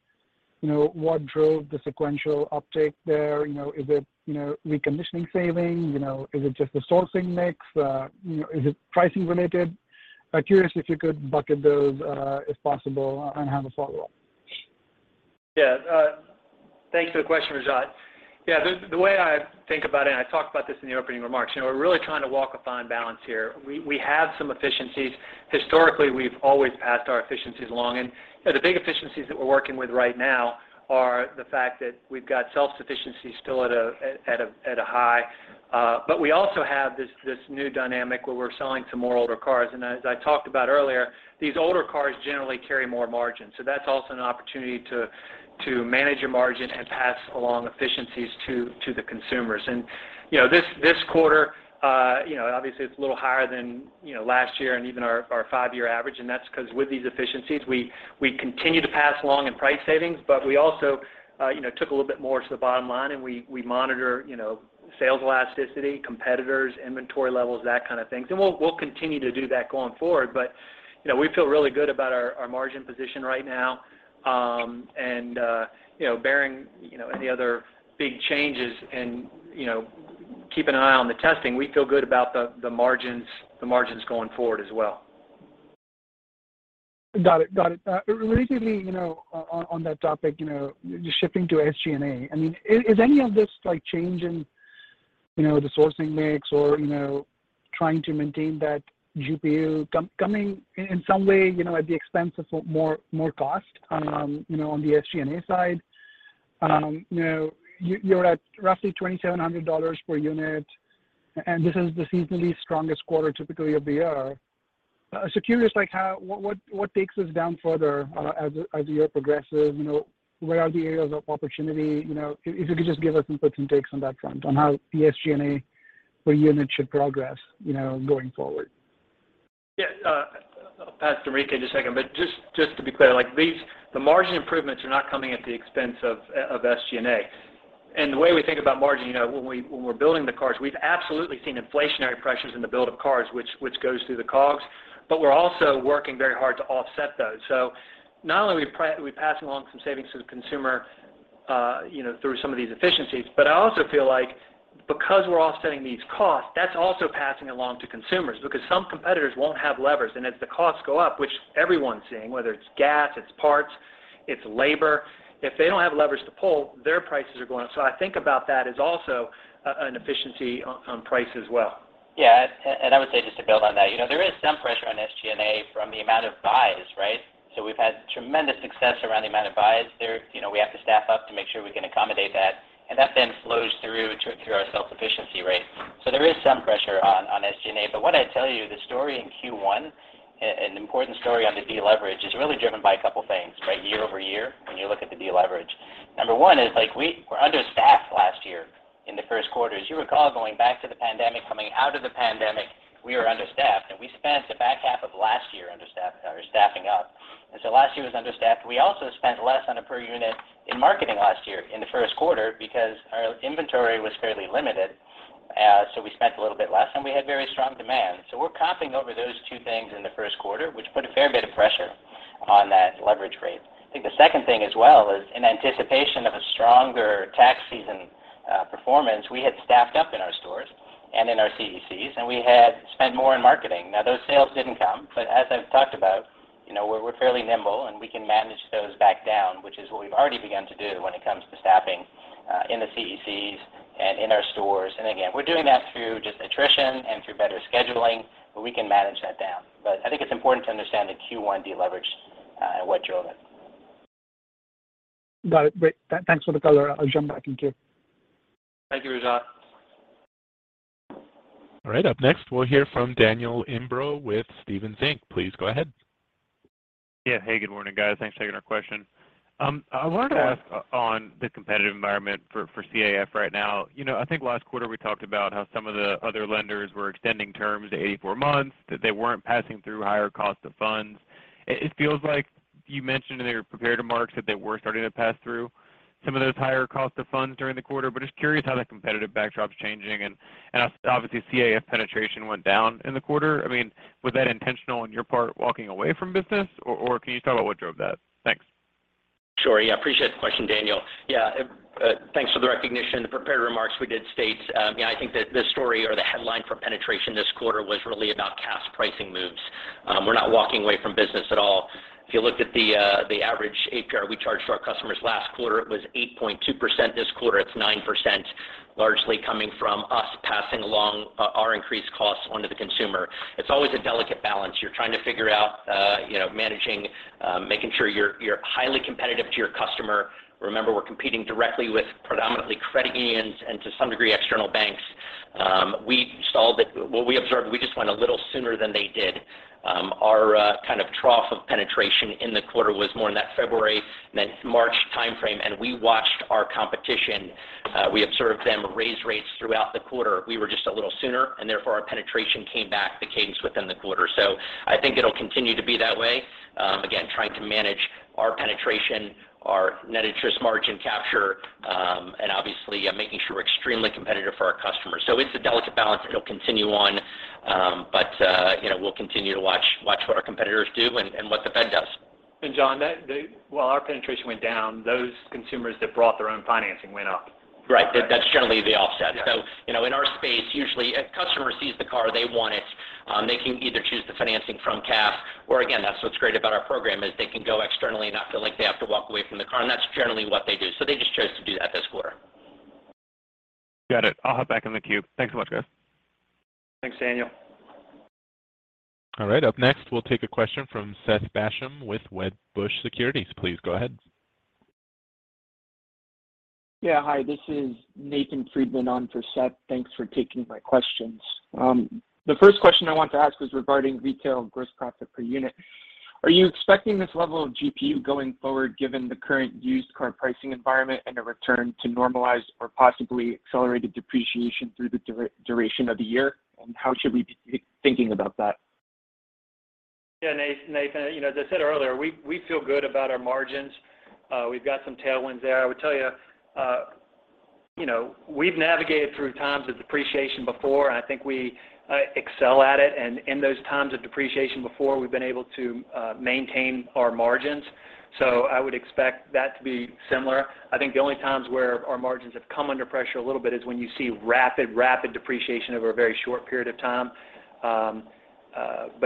You know, what drove the sequential uptick there? You know, is it, you know, reconditioning savings? You know, is it just the sourcing mix? You know, is it pricing related? I'm curious if you could bucket those, if possible, and have a follow up. Yeah. Thanks for the question, Rajat. Yeah. The way I think about it, and I talked about this in the opening remarks, you know, we're really trying to walk a fine balance here. We have some efficiencies. Historically, we've always passed our efficiencies along. You know, the big efficiencies that we're working with right now are the fact that we've got self-sufficiency still at a high. But we also have this new dynamic where we're selling some more older cars. As I talked about earlier, these older cars generally carry more margin. That's also an opportunity to manage your margin and pass along efficiencies to the consumers. You know, this quarter, you know, obviously it's a little higher than, you know, last year and even our five-year average, and that's 'cause with these efficiencies, we continue to pass along in price savings, but we also took a little bit more to the bottom line, and we monitor, you know, sales elasticity, competitors, inventory levels, that kind of thing. We'll continue to do that going forward. You know, we feel really good about our margin position right now. You know, barring, you know, any other big changes and, you know, keeping an eye on the testing, we feel good about the margins going forward as well. Got it. Relatedly, you know, on that topic, you know, just shifting to SG&A. I mean, is any of this, like, change in, you know, the sourcing mix or, you know, trying to maintain that GPU coming in some way, you know, at the expense of more cost, you know, on the SG&A side? You know, you're at roughly $2,700 per unit, and this is the seasonally strongest quarter typically of the year. So curious, like, what takes this down further, as the year progresses? You know, where are the areas of opportunity? You know, if you could just give us inputs and takes on that front, on how the SG&A per unit should progress, you know, going forward. Yeah. I'll pass to Enrique in just a second, but just to be clear, like, these. The margin improvements are not coming at the expense of SG&A. The way we think about margin, you know, when we're building the cars, we've absolutely seen inflationary pressures in the build of cars, which goes through the COGS, but we're also working very hard to offset those. Not only are we passing along some savings to the consumer, you know, through some of these efficiencies, but I also feel like because we're offsetting these costs, that's also passing along to consumers because some competitors won't have levers. As the costs go up, which everyone's seeing, whether it's gas, it's parts, it's labor, if they don't have levers to pull, their prices are going up. I think about that as also an efficiency on price as well. Yeah. I would say, just to build on that, you know, there is some pressure on SG&A from the amount of buys, right? We've had tremendous success around the amount of buys. There, you know, we have to staff up to make sure we can accommodate that, and that then flows through to our sales efficiency rate. There is some pressure on SG&A. What I'd tell you, the story in Q1 and the important story on the deleverage is really driven by a couple things, right? Year-over-year, when you look at the deleverage. Number one is, like, we were understaffed last year in the first quarter. As you recall, going back to the pandemic, coming out of the pandemic, we were understaffed, and we spent the back half of last year understaffed, or staffing up. Last year was understaffed. We also spent less on a per unit in marketing last year in the first quarter because our inventory was fairly limited, so we spent a little bit less, and we had very strong demand. We're comping over those two things in the first quarter, which put a fair bit of pressure on that leverage rate. I think the second thing as well is in anticipation of a stronger tax season, performance, we had staffed up in our stores and in our CECs, and we had spent more in marketing. Now, those sales didn't come, but as I've talked about, you know, we're fairly nimble, and we can manage those back down, which is what we've already begun to do when it comes to staffing in the CECs and in our stores. Again, we're doing that through just attrition and through better scheduling, but we can manage that down. I think it's important to understand the Q1 deleverage, and what drove it. Got it. Great. Thanks for the color. I'll jump back in queue. Thank you, Rajat. All right. Up next, we'll hear from Daniel Imbro with Stephens Inc. Please go ahead. Yeah. Hey, good morning, guys. Thanks for taking our question. I wanted to ask on the competitive environment for CAF right now. You know, I think last quarter we talked about how some of the other lenders were extending terms to 84 months, that they weren't passing through higher cost of funds. It feels like you mentioned in your prepared remarks that they were starting to pass through some of those higher cost of funds during the quarter, but just curious how that competitive backdrop's changing. Obviously, CAF penetration went down in the quarter. I mean, was that intentional on your part, walking away from business, or can you talk about what drove that? Thanks. Sure. Yeah, appreciate the question, Daniel. Yeah. Thanks for the recognition. The prepared remarks we did state, yeah, I think that the story or the headline for penetration this quarter was really about CAF pricing moves. We're not walking away from business at all. If you looked at the average APR we charged for our customers last quarter, it was 8.2%. This quarter, it's 9%, largely coming from us passing along our increased costs onto the consumer. It's always a delicate balance. You're trying to figure out, you know, managing, making sure you're highly competitive to your customer. Remember, we're competing directly with predominantly credit unions and, to some degree, external banks. We saw that. What we observed, we just went a little sooner than they did. Our kind of trough of penetration in the quarter was more in that February than March timeframe, and we watched our competition. We observed them raise rates throughout the quarter. We were just a little sooner, and therefore our penetration came back to the cadence within the quarter. I think it'll continue to be that way. Again, trying to manage our penetration, our net interest margin capture, and obviously making sure we're extremely competitive for our customers. It's a delicate balance. It'll continue on, you know, we'll continue to watch what our competitors do and what the Fed does. Jon, while our penetration went down, those consumers that brought their own financing went up. Right. That's generally the offset. Yeah. You know, in our space, usually a customer sees the car, they want it. They can either choose the financing from CAF or again, that's what's great about our program, is they can go externally and not feel like they have to walk away from the car, and that's generally what they do. They just chose to do that this quarter. Got it. I'll hop back in the queue. Thanks a lot, guys. Thanks, Daniel. All right. Up next, we'll take a question from Seth Basham with Wedbush Securities. Please go ahead. Yeah. Hi, this is Nathan Friedman on for Seth. Thanks for taking my questions. The first question I want to ask is regarding retail gross profit per unit. Are you expecting this level of GPU going forward given the current used car pricing environment and a return to normalized or possibly accelerated depreciation through the duration of the year? How should we be thinking about that? Yeah, Nathan, you know, as I said earlier, we feel good about our margins. We've got some tailwinds there. I would tell you know, we've navigated through times of depreciation before, and I think we excel at it. In those times of depreciation before, we've been able to maintain our margins. I would expect that to be similar. I think the only times where our margins have come under pressure a little bit is when you see rapid depreciation over a very short period of time.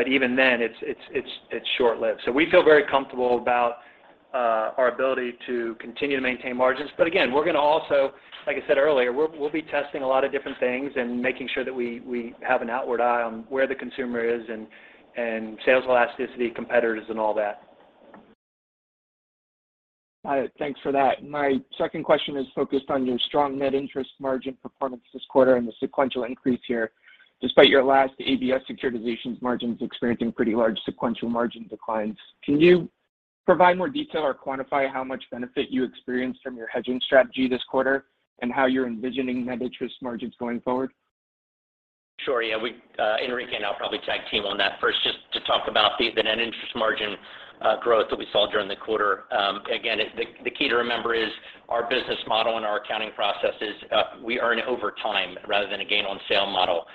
Even then, it's short-lived. We feel very comfortable about our ability to continue to maintain margins. Again, we're gonna also, like I said earlier, we'll be testing a lot of different things and making sure that we have an outward eye on where the consumer is and sales elasticity, competitors and all that. All right. Thanks for that. My second question is focused on your strong net interest margin performance this quarter and the sequential increase here. Despite your last ABS securitizations margins experiencing pretty large sequential margin declines. Can you provide more detail or quantify how much benefit you experienced from your hedging strategy this quarter and how you're envisioning net interest margins going forward? Sure. Yeah. We, Enrique and I'll probably tag team on that. First, just to talk about the net interest margin growth that we saw during the quarter. Again, the key to remember is our business model and our accounting processes, we earn over time rather than a gain on sale model.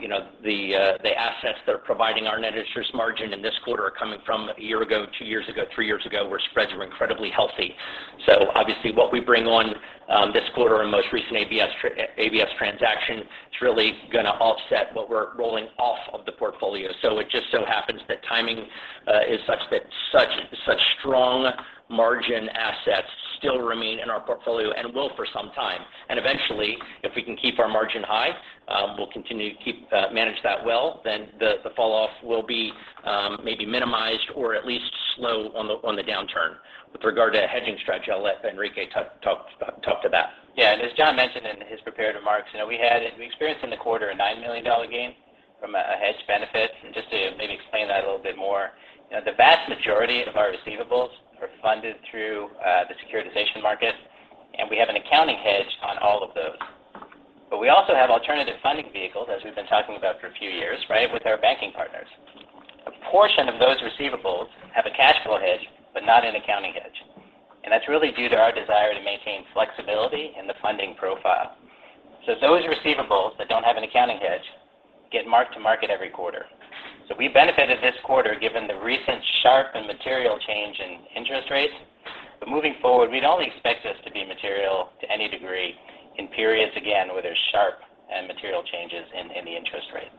You know, the assets that are providing our net interest margin in this quarter are coming from a year ago, two years ago, three years ago, where spreads were incredibly healthy. Obviously, what we bring on this quarter and most recent ABS transaction is really gonna offset what we're rolling off of the portfolio. It just so happens that timing is such that such strong margin assets still remain in our portfolio and will for some time. Eventually, if we can keep our margin high, we'll continue to keep, manage that well, then the fall off will be maybe minimized or at least slow on the downturn. With regard to a hedging strategy, I'll let Enrique talk to that. Yeah. As Jon mentioned in his prepared remarks, you know, we experienced in the quarter a $9 million gain from a hedge benefit. Just to maybe explain that a little bit more, you know, the vast majority of our receivables are funded through the securitization market, and we have an accounting hedge on all of those. We also have alternative funding vehicles, as we've been talking about for a few years, right, with our banking partners. A portion of those receivables have a cash flow hedge, but not an accounting hedge. That's really due to our desire to maintain flexibility in the funding profile. Those receivables that don't have an accounting hedge get marked to market every quarter. We benefited this quarter given the recent sharp and material change in interest rates. Moving forward, we'd only expect this to be material to any degree in periods, again, where there's sharp and material changes in the interest rate.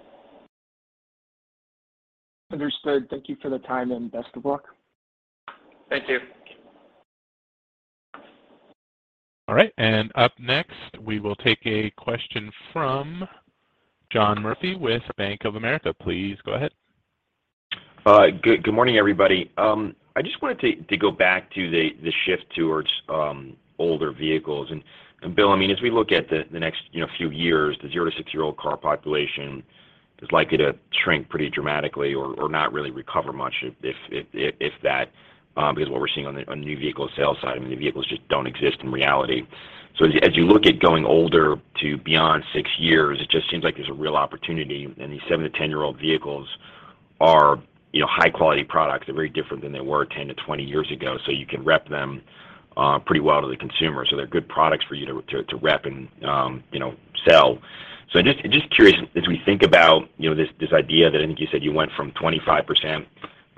Understood. Thank you for the time and best of luck. Thank you. All right. Up next, we will take a question from John Murphy with Bank of America. Please go ahead. Good morning, everybody. I just wanted to go back to the shift towards older vehicles. Bill, I mean, as we look at the next, you know, few years, the zero- to six-year-old car population is likely to shrink pretty dramatically or not really recover much if that, because what we're seeing on the new vehicle sales side, I mean, new vehicles just don't exist in reality. As you look at going older to beyond six years, it just seems like there's a real opportunity. These seven- to 10-year-old vehicles are, you know, high-quality products. They're very different than they were 10 to 20 years ago. You can rep them pretty well to the consumer. They're good products for you to rep and, you know, sell. Just curious, as we think about, you know, this idea that I think you said you went from 25%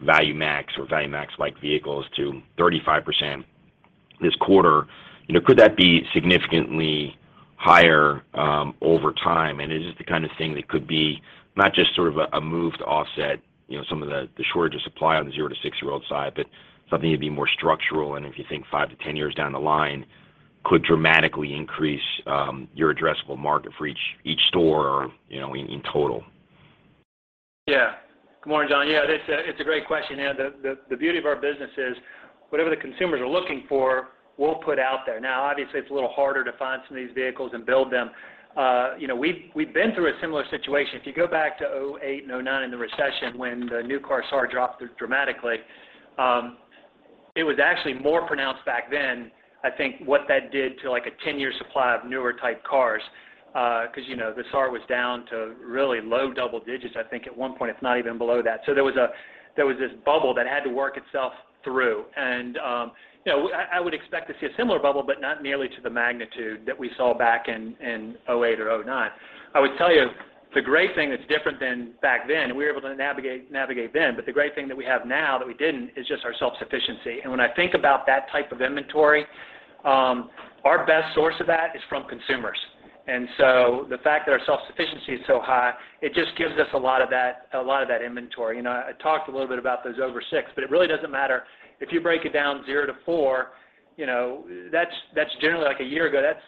ValueMax or ValueMax-like vehicles to 35% this quarter, you know, could that be significantly higher over time? Is this the kind of thing that could be not just sort of a move to offset, you know, some of the shortage of supply on the zero to six-year-old side, but something to be more structural and if you think five to 10 years down the line could dramatically increase your addressable market for each store or, you know, in total? Yeah. Good morning, John. Yeah, that's a great question. Yeah, the beauty of our business is whatever the consumers are looking for, we'll put out there. Now, obviously, it's a little harder to find some of these vehicles and build them. You know, we've been through a similar situation. If you go back to 2008 and 2009 in the recession when the new car sales dropped dramatically. It was actually more pronounced back then. I think what that did to like a ten-year supply of newer type cars, because, you know, the SAR was down to really low double digits. I think at one point it's not even below that. There was this bubble that had to work itself through. You know, I would expect to see a similar bubble, but not nearly to the magnitude that we saw back in 2008 or 2009. I would tell you the great thing that's different than back then, we were able to navigate then. The great thing that we have now that we didn't is just our self-sufficiency. When I think about that type of inventory, our best source of that is from consumers. The fact that our self-sufficiency is so high, it just gives us a lot of that inventory. You know, I talked a little bit about those over six, but it really doesn't matter. If you break it down zero to four, you know, that's generally like a year ago. That's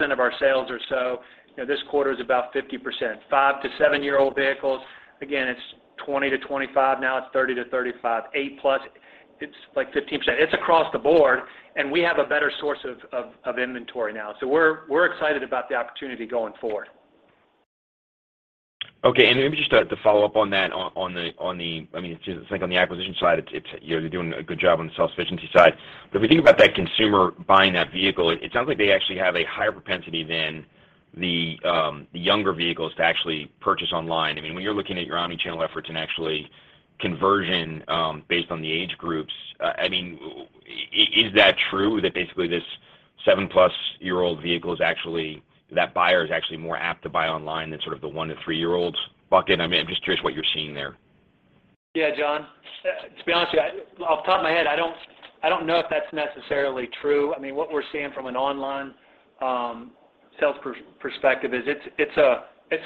66% of our sales or so. You know, this quarter is about 50%. Five- to seven-year-old vehicles, again, it's 20%-25%. Now it's 30%-35%. Eight-plus, it's like 15%. It's across the board, and we have a better source of inventory now. We're excited about the opportunity going forward. Okay. Maybe just to follow up on that, on the acquisition side, it's you're doing a good job on the self-sufficiency side. But if you think about that consumer buying that vehicle, it sounds like they actually have a higher propensity than the younger vehicles to actually purchase online. I mean, when you're looking at your omni-channel efforts and actually conversion based on the age groups, I mean, is that true that basically this seven-plus-year-old vehicle is actually. That buyer is actually more apt to buy online than sort of the one- to three-year-olds bucket? I mean, I'm just curious what you're seeing there. Yeah, John. To be honest with you, off the top of my head, I don't know if that's necessarily true. I mean, what we're seeing from an online sales perspective is it's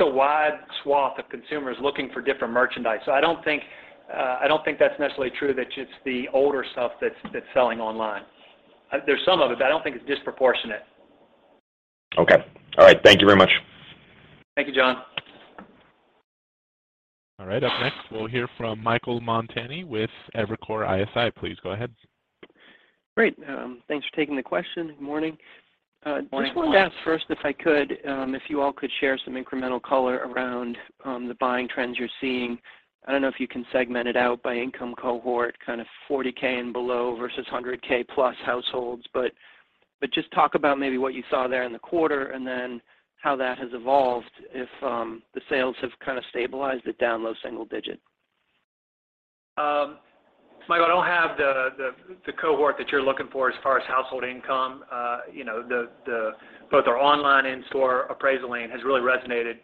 a wide swath of consumers looking for different merchandise. I don't think that's necessarily true that it's the older stuff that's selling online. There's some of it, but I don't think it's disproportionate. Okay. All right. Thank you very much. Thank you, John. All right. Up next, we'll hear from Michael Montani with Evercore ISI. Please go ahead. Great. Thanks for taking the question. Good morning. Morning. Just wanted to ask first, if I could, if you all could share some incremental color around the buying trends you're seeing. I don't know if you can segment it out by income cohort, kind of $40,000 and below versus $100,000 plus households. But just talk about maybe what you saw there in the quarter and then how that has evolved if the sales have kind of stabilized at down low single digit. Michael, I don't have the cohort that you're looking for as far as household income. You know, both our online and store appraisal lane has really resonated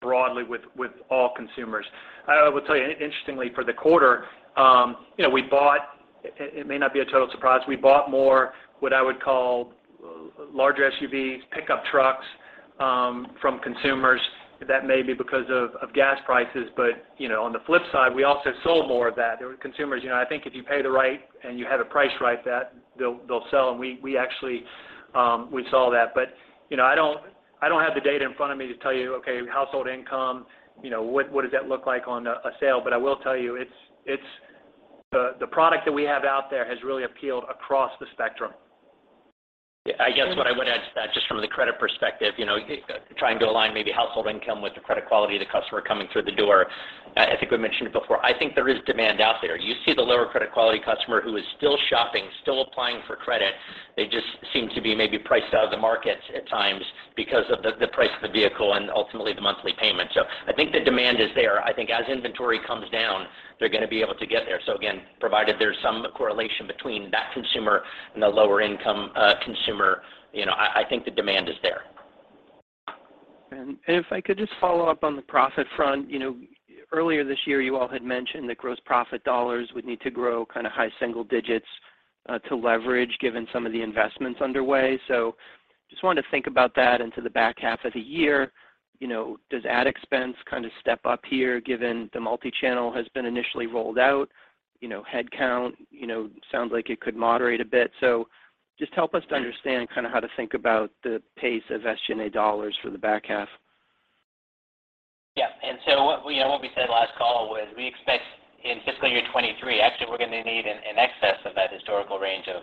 broadly with all consumers. I will tell you, interestingly for the quarter, you know, it may not be a total surprise. We bought more, what I would call larger SUVs, pickup trucks, from consumers. That may be because of gas prices. You know, on the flip side, we also sold more of that. There were consumers, you know, I think if you pay the right and you have it priced right, that they'll sell. We actually saw that. You know, I don't have the data in front of me to tell you, okay, household income, you know, what does that look like on a sale? I will tell you, it's the product that we have out there has really appealed across the spectrum. Yeah. I guess what I would add to that, just from the credit perspective, you know, trying to align maybe household income with the credit quality of the customer coming through the door. I think we mentioned it before. I think there is demand out there. You see the lower credit quality customer who is still shopping, still applying for credit. They just seem to be maybe priced out of the market at times because of the price of the vehicle and ultimately the monthly payment. I think the demand is there. I think as inventory comes down, they're going to be able to get there. Again, provided there's some correlation between that consumer and the lower income consumer, you know, I think the demand is there. If I could just follow up on the profit front. You know, earlier this year, you all had mentioned that gross profit dollars would need to grow kind of high single digits to leverage given some of the investments underway. Just wanted to think about that into the back half of the year. You know, does ad expense kind of step up here given the multi-channel has been initially rolled out? You know, headcount, you know, sounds like it could moderate a bit. Just help us to understand kind of how to think about the pace of SG&A dollars for the back half. Yeah. What we said last call was we expect in fiscal year 2023, actually, we're going to need an excess of that historical range of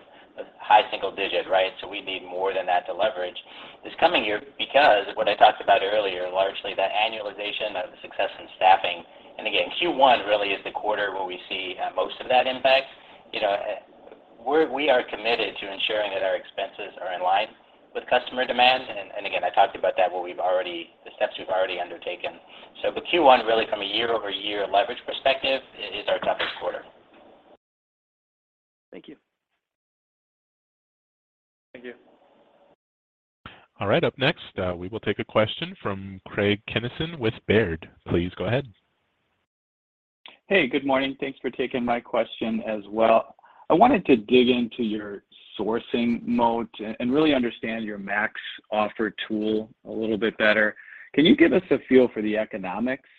high single digit, right? We need more than that to leverage this coming year because what I talked about earlier, largely the annualization of the success in staffing. Q1 really is the quarter where we see most of that impact. We are committed to ensuring that our expenses are in line with customer demand. I talked about that, the steps we've already undertaken. Q1 really from a year-over-year leverage perspective is our toughest quarter. Thank you. Thank you. All right. Up next, we will take a question from Craig Kennison with Baird. Please go ahead. Hey, good morning. Thanks for taking my question as well. I wanted to dig into your sourcing mode and really understand your MaxOffer tool a little bit better. Can you give us a feel for the economics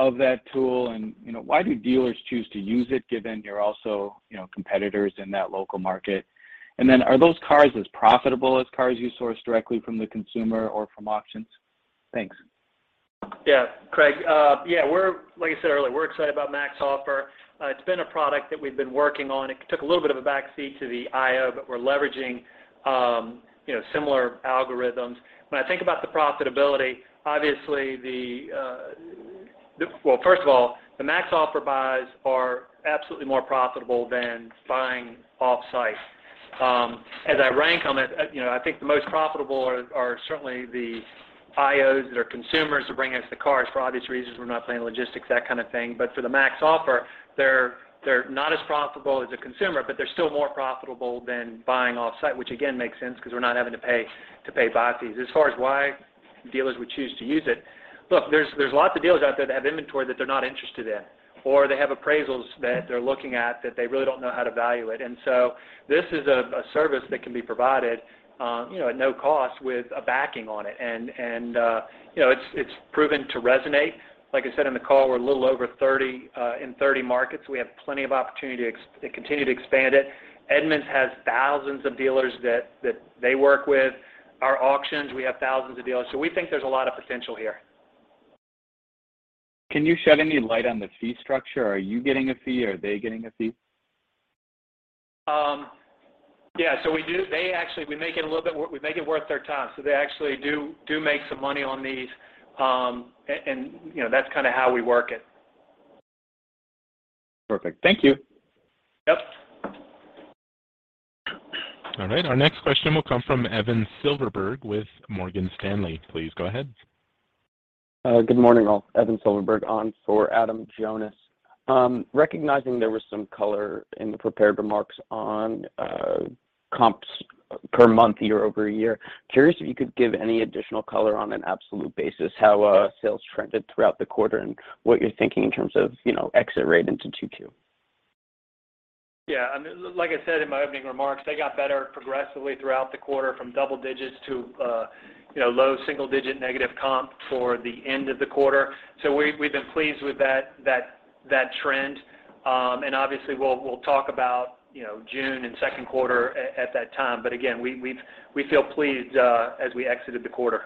of that tool and, you know, why do dealers choose to use it given you're also, you know, competitors in that local market? Are those cars as profitable as cars you source directly from the consumer or from auctions? Thanks. Yeah. Craig, yeah, we're like I said earlier, we're excited about MaxOffer. It's been a product that we've been working on. It took a little bit of a back seat to the IO, but we're leveraging, you know, similar algorithms. When I think about the profitability, obviously the. Well, first of all, the MaxOffer buys are absolutely more profitable than buying off-site. As I rank them, as you know, I think the most profitable are certainly the IOs that are consumers who bring us the cars for obvious reasons. We're not playing logistics, that kind of thing. But for the MaxOffer, they're not as profitable as a consumer, but they're still more profitable than buying off-site, which again, makes sense because we're not having to pay buy fees. As far as why dealers would choose to use it, look, there's lots of dealers out there that have inventory that they're not interested in, or they have appraisals that they're looking at that they really don't know how to value it. This is a service that can be provided, you know, at no cost with a backing on it. You know, it's proven to resonate. Like I said in the call, we're a little over 30 in 30 markets. We have plenty of opportunity to continue to expand it. Edmunds has thousands of dealers that they work with. Our auctions, we have thousands of dealers. We think there's a lot of potential here. Can you shed any light on the fee structure? Are you getting a fee or are they getting a fee? Yeah. We make it worth their time. They actually do make some money on these. And, you know, that's kinda how we work it. Perfect. Thank you. Yep. All right, our next question will come from Evan Silverberg with Morgan Stanley. Please go ahead. Good morning, all. Evan Silverberg on for Adam Jonas. Recognizing there was some color in the prepared remarks on comps per month year-over-year. Curious if you could give any additional color on an absolute basis, how sales trended throughout the quarter and what you're thinking in terms of, you know, exit rate into 2Q. Yeah. I mean, like I said in my opening remarks, they got better progressively throughout the quarter from double digits to, you know, low single digit negative comp for the end of the quarter. We've been pleased with that trend. Obviously we'll talk about, you know, June and second quarter at that time. Again, we feel pleased as we exited the quarter.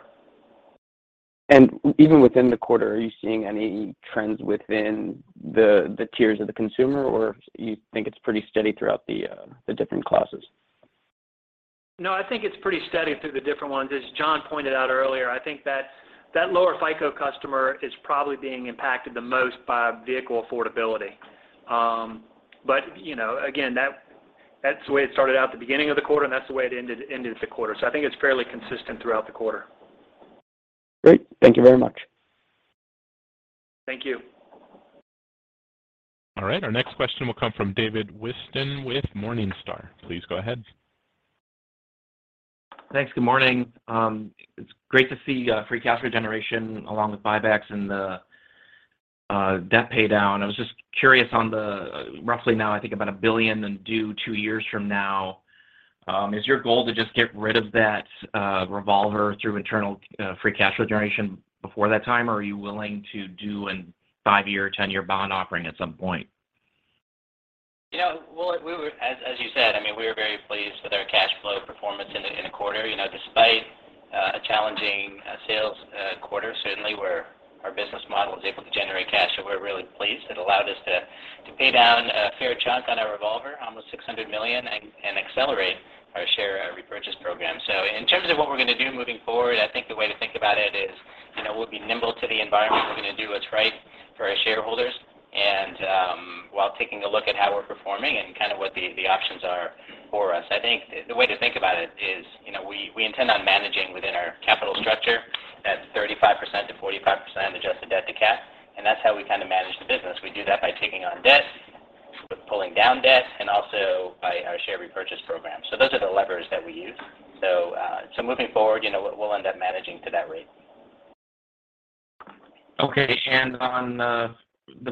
Even within the quarter, are you seeing any trends within the tiers of the consumer, or you think it's pretty steady throughout the different classes? No, I think it's pretty steady through the different ones. As Jon pointed out earlier, I think that lower FICO customer is probably being impacted the most by vehicle affordability. But, you know, again, that's the way it started out at the beginning of the quarter, and that's the way it ended the quarter. I think it's fairly consistent throughout the quarter. Great. Thank you very much. Thank you. All right, our next question will come from David Whiston with Morningstar. Please go ahead. Thanks. Good morning. It's great to see free cash flow generation along with buybacks and the debt pay down. I was just curious on the roughly $1 billion due two years from now. Is your goal to just get rid of that revolver through internal free cash flow generation before that time, or are you willing to do a five-year or 10-year bond offering at some point? You know, well, as you said, I mean, we are very pleased with our cash flow performance in a quarter, you know, despite a challenging sales quarter. Certainly, our business model was able to generate cash, so we're really pleased. It allowed us to pay down a fair chunk on our revolver, almost $600 million and accelerate our share repurchase program. In terms of what we're gonna do moving forward, I think the way to think about it is, you know, we'll be nimble to the environment. We're gonna do what's right for our shareholders. While taking a look at how we're performing and kind of what the options are for us. I think the way to think about it is, you know, we intend on managing within our capital structure at 35%-45% adjusted debt to cap, and that's how we kind of manage the business. We do that by taking on debt, with pulling down debt, and also by our share repurchase program. Those are the levers that we use. Moving forward, you know, we'll end up managing to that rate. Okay. On the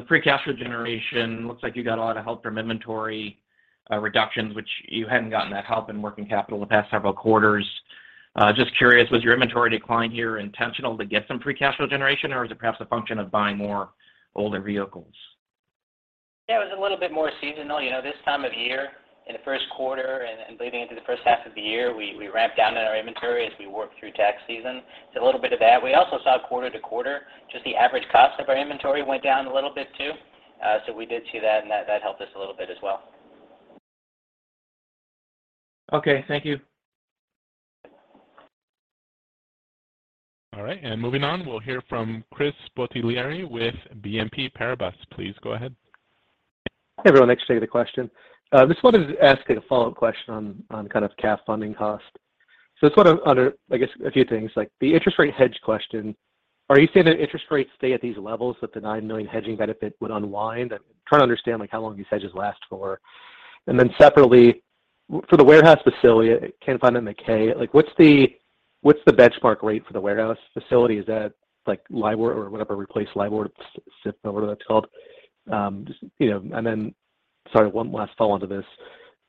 free cash flow generation, looks like you got a lot of help from inventory reductions, which you hadn't gotten that help in working capital the past several quarters. Just curious, was your inventory decline here intentional to get some free cash flow generation, or is it perhaps a function of buying more older vehicles? Yeah, it was a little bit more seasonal. You know, this time of year in the first quarter and leading into the first half of the year, we ramped down on our inventory as we worked through tax season. A little bit of that. We also saw quarter to quarter, just the average cost of our inventory went down a little bit, too. We did see that, and that helped us a little bit as well. Okay. Thank you. All right, moving on, we'll hear from Chris Bottiglieri with BNP Paribas. Please go ahead. Hey, everyone. Thanks for taking the question. Just wanted to ask a follow-up question on kind of CAF funding cost. I just wanna understand a few things, like the interest rate hedge question. Are you saying that interest rates stay at these levels that the $9 million hedging benefit would unwind? I'm trying to understand, like, how long these hedges last for. Then separately, for the warehouse facility, I can't find it in the 10-K. Like what's the benchmark rate for the warehouse facility? Is that like LIBOR or whatever replaced LIBOR, SOFR, whatever that's called? Just, you know, and then. Sorry, one last follow-on to this.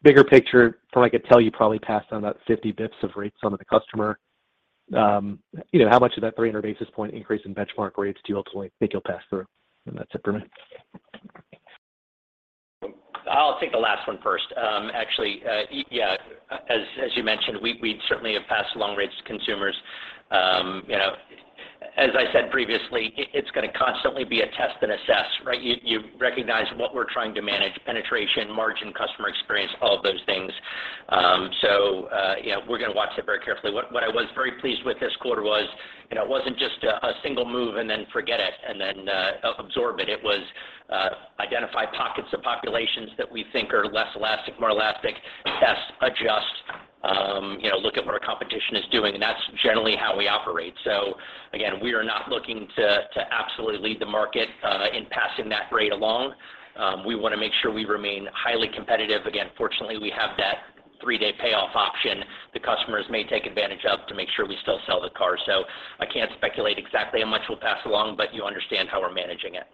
Bigger picture, from what I could tell, you probably passed on about 50 basis points of rate some of the customer. You know, how much of that 300 basis point increase in benchmark rates do you ultimately think you'll pass through? That's it for me. I'll take the last one first. Actually, yeah, as you mentioned, we certainly have passed along rates to consumers. You know, as I said previously, it's gonna constantly be a test and assess. You recognize what we're trying to manage, penetration, margin, customer experience, all of those things. Yeah, we're gonna watch it very carefully. What I was very pleased with this quarter was, you know, it wasn't just a single move and then forget it, and then absorb it. It was identify pockets of populations that we think are less elastic, more elastic, test, adjust, you know, look at what our competition is doing, and that's generally how we operate. Again, we are not looking to absolutely lead the market in passing that rate along. We wanna make sure we remain highly competitive. Again, fortunately, we have that three-day payoff option the customers may take advantage of to make sure we still sell the car. I can't speculate exactly how much we'll pass along, but you understand how we're managing it.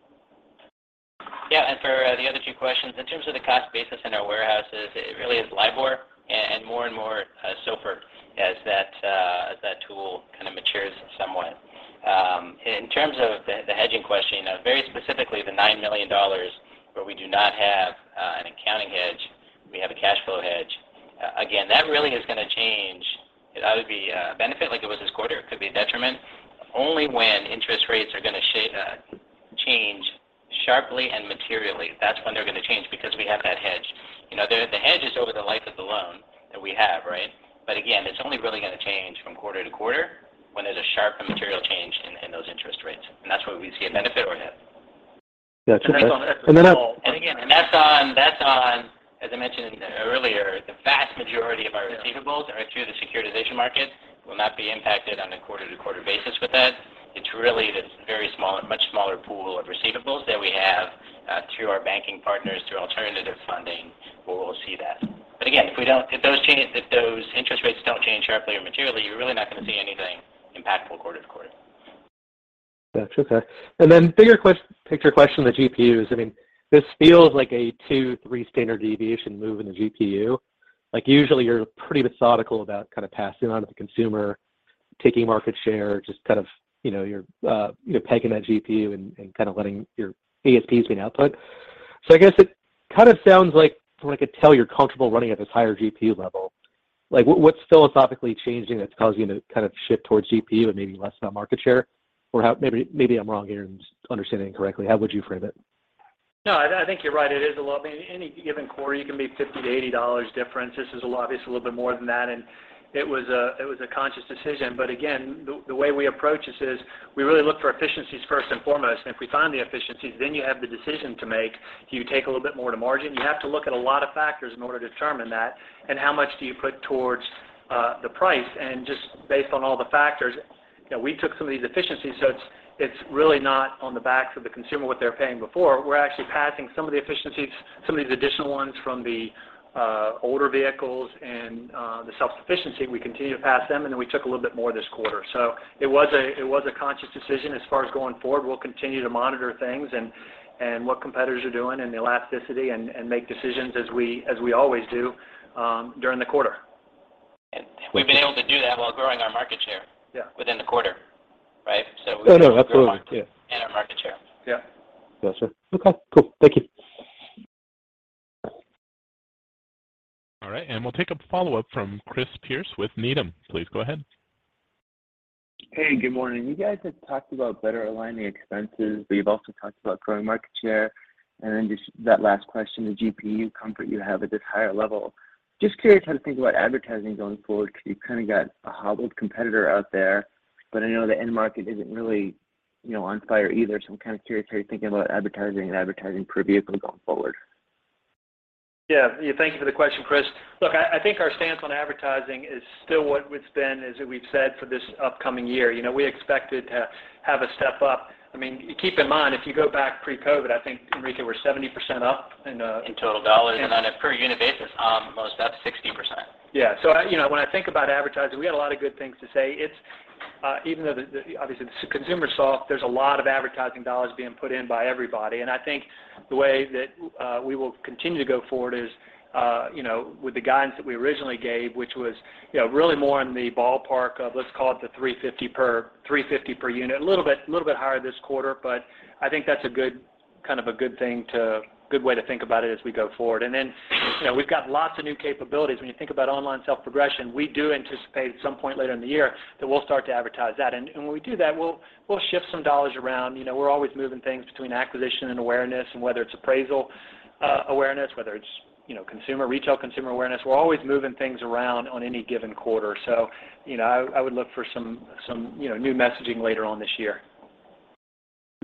Yeah. For the other two questions, in terms of the cost basis in our warehouses, it really is LIBOR and more and more SOFR as that tool kinda matures somewhat. In terms of the hedging question, very specifically the $9 million where we do not have an accounting hedge, we have a cash flow hedge. Again, that really is gonna change. It either be a benefit like it was this quarter, it could be a detriment, only when interest rates are gonna change sharply and materially. That's when they're gonna change because we have that hedge. You know, the hedge is over the life of the loan that we have, right? Again, it's only really gonna change from quarter to quarter when there's a sharp and material change in those interest rates, and that's where we see a benefit or a hit. Yeah. That's okay. That's on, as I mentioned earlier, the vast majority of our receivables are through the securitization market, will not be impacted on a quarter to quarter basis with that. It's really the very small and much smaller pool of receivables that we have through our banking partners, through alternative funding where we'll see that. If those interest rates don't change sharply or materially, you're really not gonna see anything impactful quarter to quarter. That's okay. Then bigger question, the GPUs. I mean, this feels like a two, three standard deviation move in the GPU. Like, usually you're pretty methodical about kind of passing on to the consumer, taking market share, just kind of, you know, you're pegging that GPU and kind of letting your ASPs being output. So I guess it kind of sounds like from what I could tell, you're comfortable running at this higher GPU level. Like, what's philosophically changing that's causing you to kind of shift towards GPU and maybe less about market share? Or maybe I'm wrong here and just understanding incorrectly. How would you frame it? No, I think you're right. It is a lot. I mean, any given quarter you can be $50-$80 difference. This is a lot, obviously, a little bit more than that, and it was a conscious decision. But again, the way we approach this is we really look for efficiencies first and foremost. If we find the efficiencies, then you have the decision to make. Do you take a little bit more to margin? You have to look at a lot of factors in order to determine that, and how much do you put towards the price. Just based on all the factors, you know, we took some of these efficiencies, so it's really not on the backs of the consumer, what they were paying before. We're actually passing some of the efficiencies, some of these additional ones from the older vehicles and the self-sufficiency. We continue to pass them, and then we took a little bit more this quarter. It was a conscious decision. As far as going forward, we'll continue to monitor things and what competitors are doing and the elasticity and make decisions as we always do during the quarter. We've been able to do that while growing our market. Share- Yeah. Within the quarter, right? We've been able to grow margin- Oh, no, absolutely. Yeah. Our market share. Yeah. Yeah. Sure. Okay. Cool. Thank you. All right. We'll take a follow-up from Chris Pierce with Needham. Please go ahead. Hey, good morning. You guys have talked about better aligning expenses, but you've also talked about growing market share, and then just that last question, the GPU comfort you have at this higher level. Just curious how to think about advertising going forward, because you've kind of got a hobbled competitor out there, but I know the end market isn't really, you know, on fire either. So I'm kind of curious how you're thinking about advertising and advertising per vehicle going forward. Yeah. Yeah, thank you for the question, Chris. Look, I think our stance on advertising is still what it's been, as we've said for this upcoming year. You know, we expected to have a step up. I mean, keep in mind, if you go back pre-COVID, I think, Enrique, we're 70% up in- In total dollars. Yeah. On a per unit basis, it was about 60%. Yeah. You know, when I think about advertising, we had a lot of good things to say. It's even though obviously the consumer's soft, there's a lot of advertising dollars being put in by everybody. I think the way that we will continue to go forward is you know, with the guidance that we originally gave, which was you know, really more in the ballpark of, let's call it the $350 per unit. A little bit higher this quarter, but I think that's a good way to think about it as we go forward. You know, we've got lots of new capabilities. When you think about online self-progression, we do anticipate at some point later in the year that we'll start to advertise that. When we do that, we'll shift some dollars around. You know, we're always moving things between acquisition and awareness and whether it's appraisal, awareness, whether it's, you know, consumer, retail consumer awareness. We're always moving things around on any given quarter. You know, I would look for some, you know, new messaging later on this year.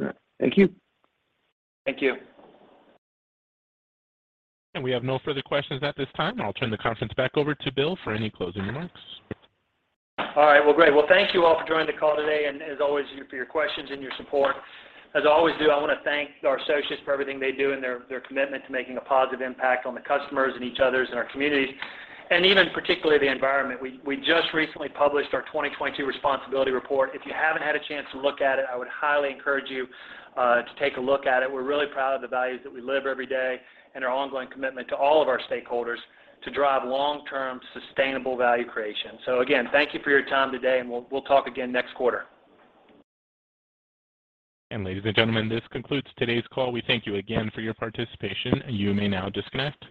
All right. Thank you. Thank you. We have no further questions at this time. I'll turn the conference back over to Bill for any closing remarks. All right. Well, great. Well, thank you all for joining the call today, and as always, thank you for your questions and your support. As I always do, I wanna thank our associates for everything they do and their commitment to making a positive impact on the customers and each other in our communities, and even particularly the environment. We just recently published our 2022 Responsibility Report. If you haven't had a chance to look at it, I would highly encourage you to take a look at it. We're really proud of the values that we live every day and our ongoing commitment to all of our stakeholders to drive long-term sustainable value creation. Again, thank you for your time today, and we'll talk again next quarter. Ladies and gentlemen, this concludes today's call. We thank you again for your participation. You may now disconnect.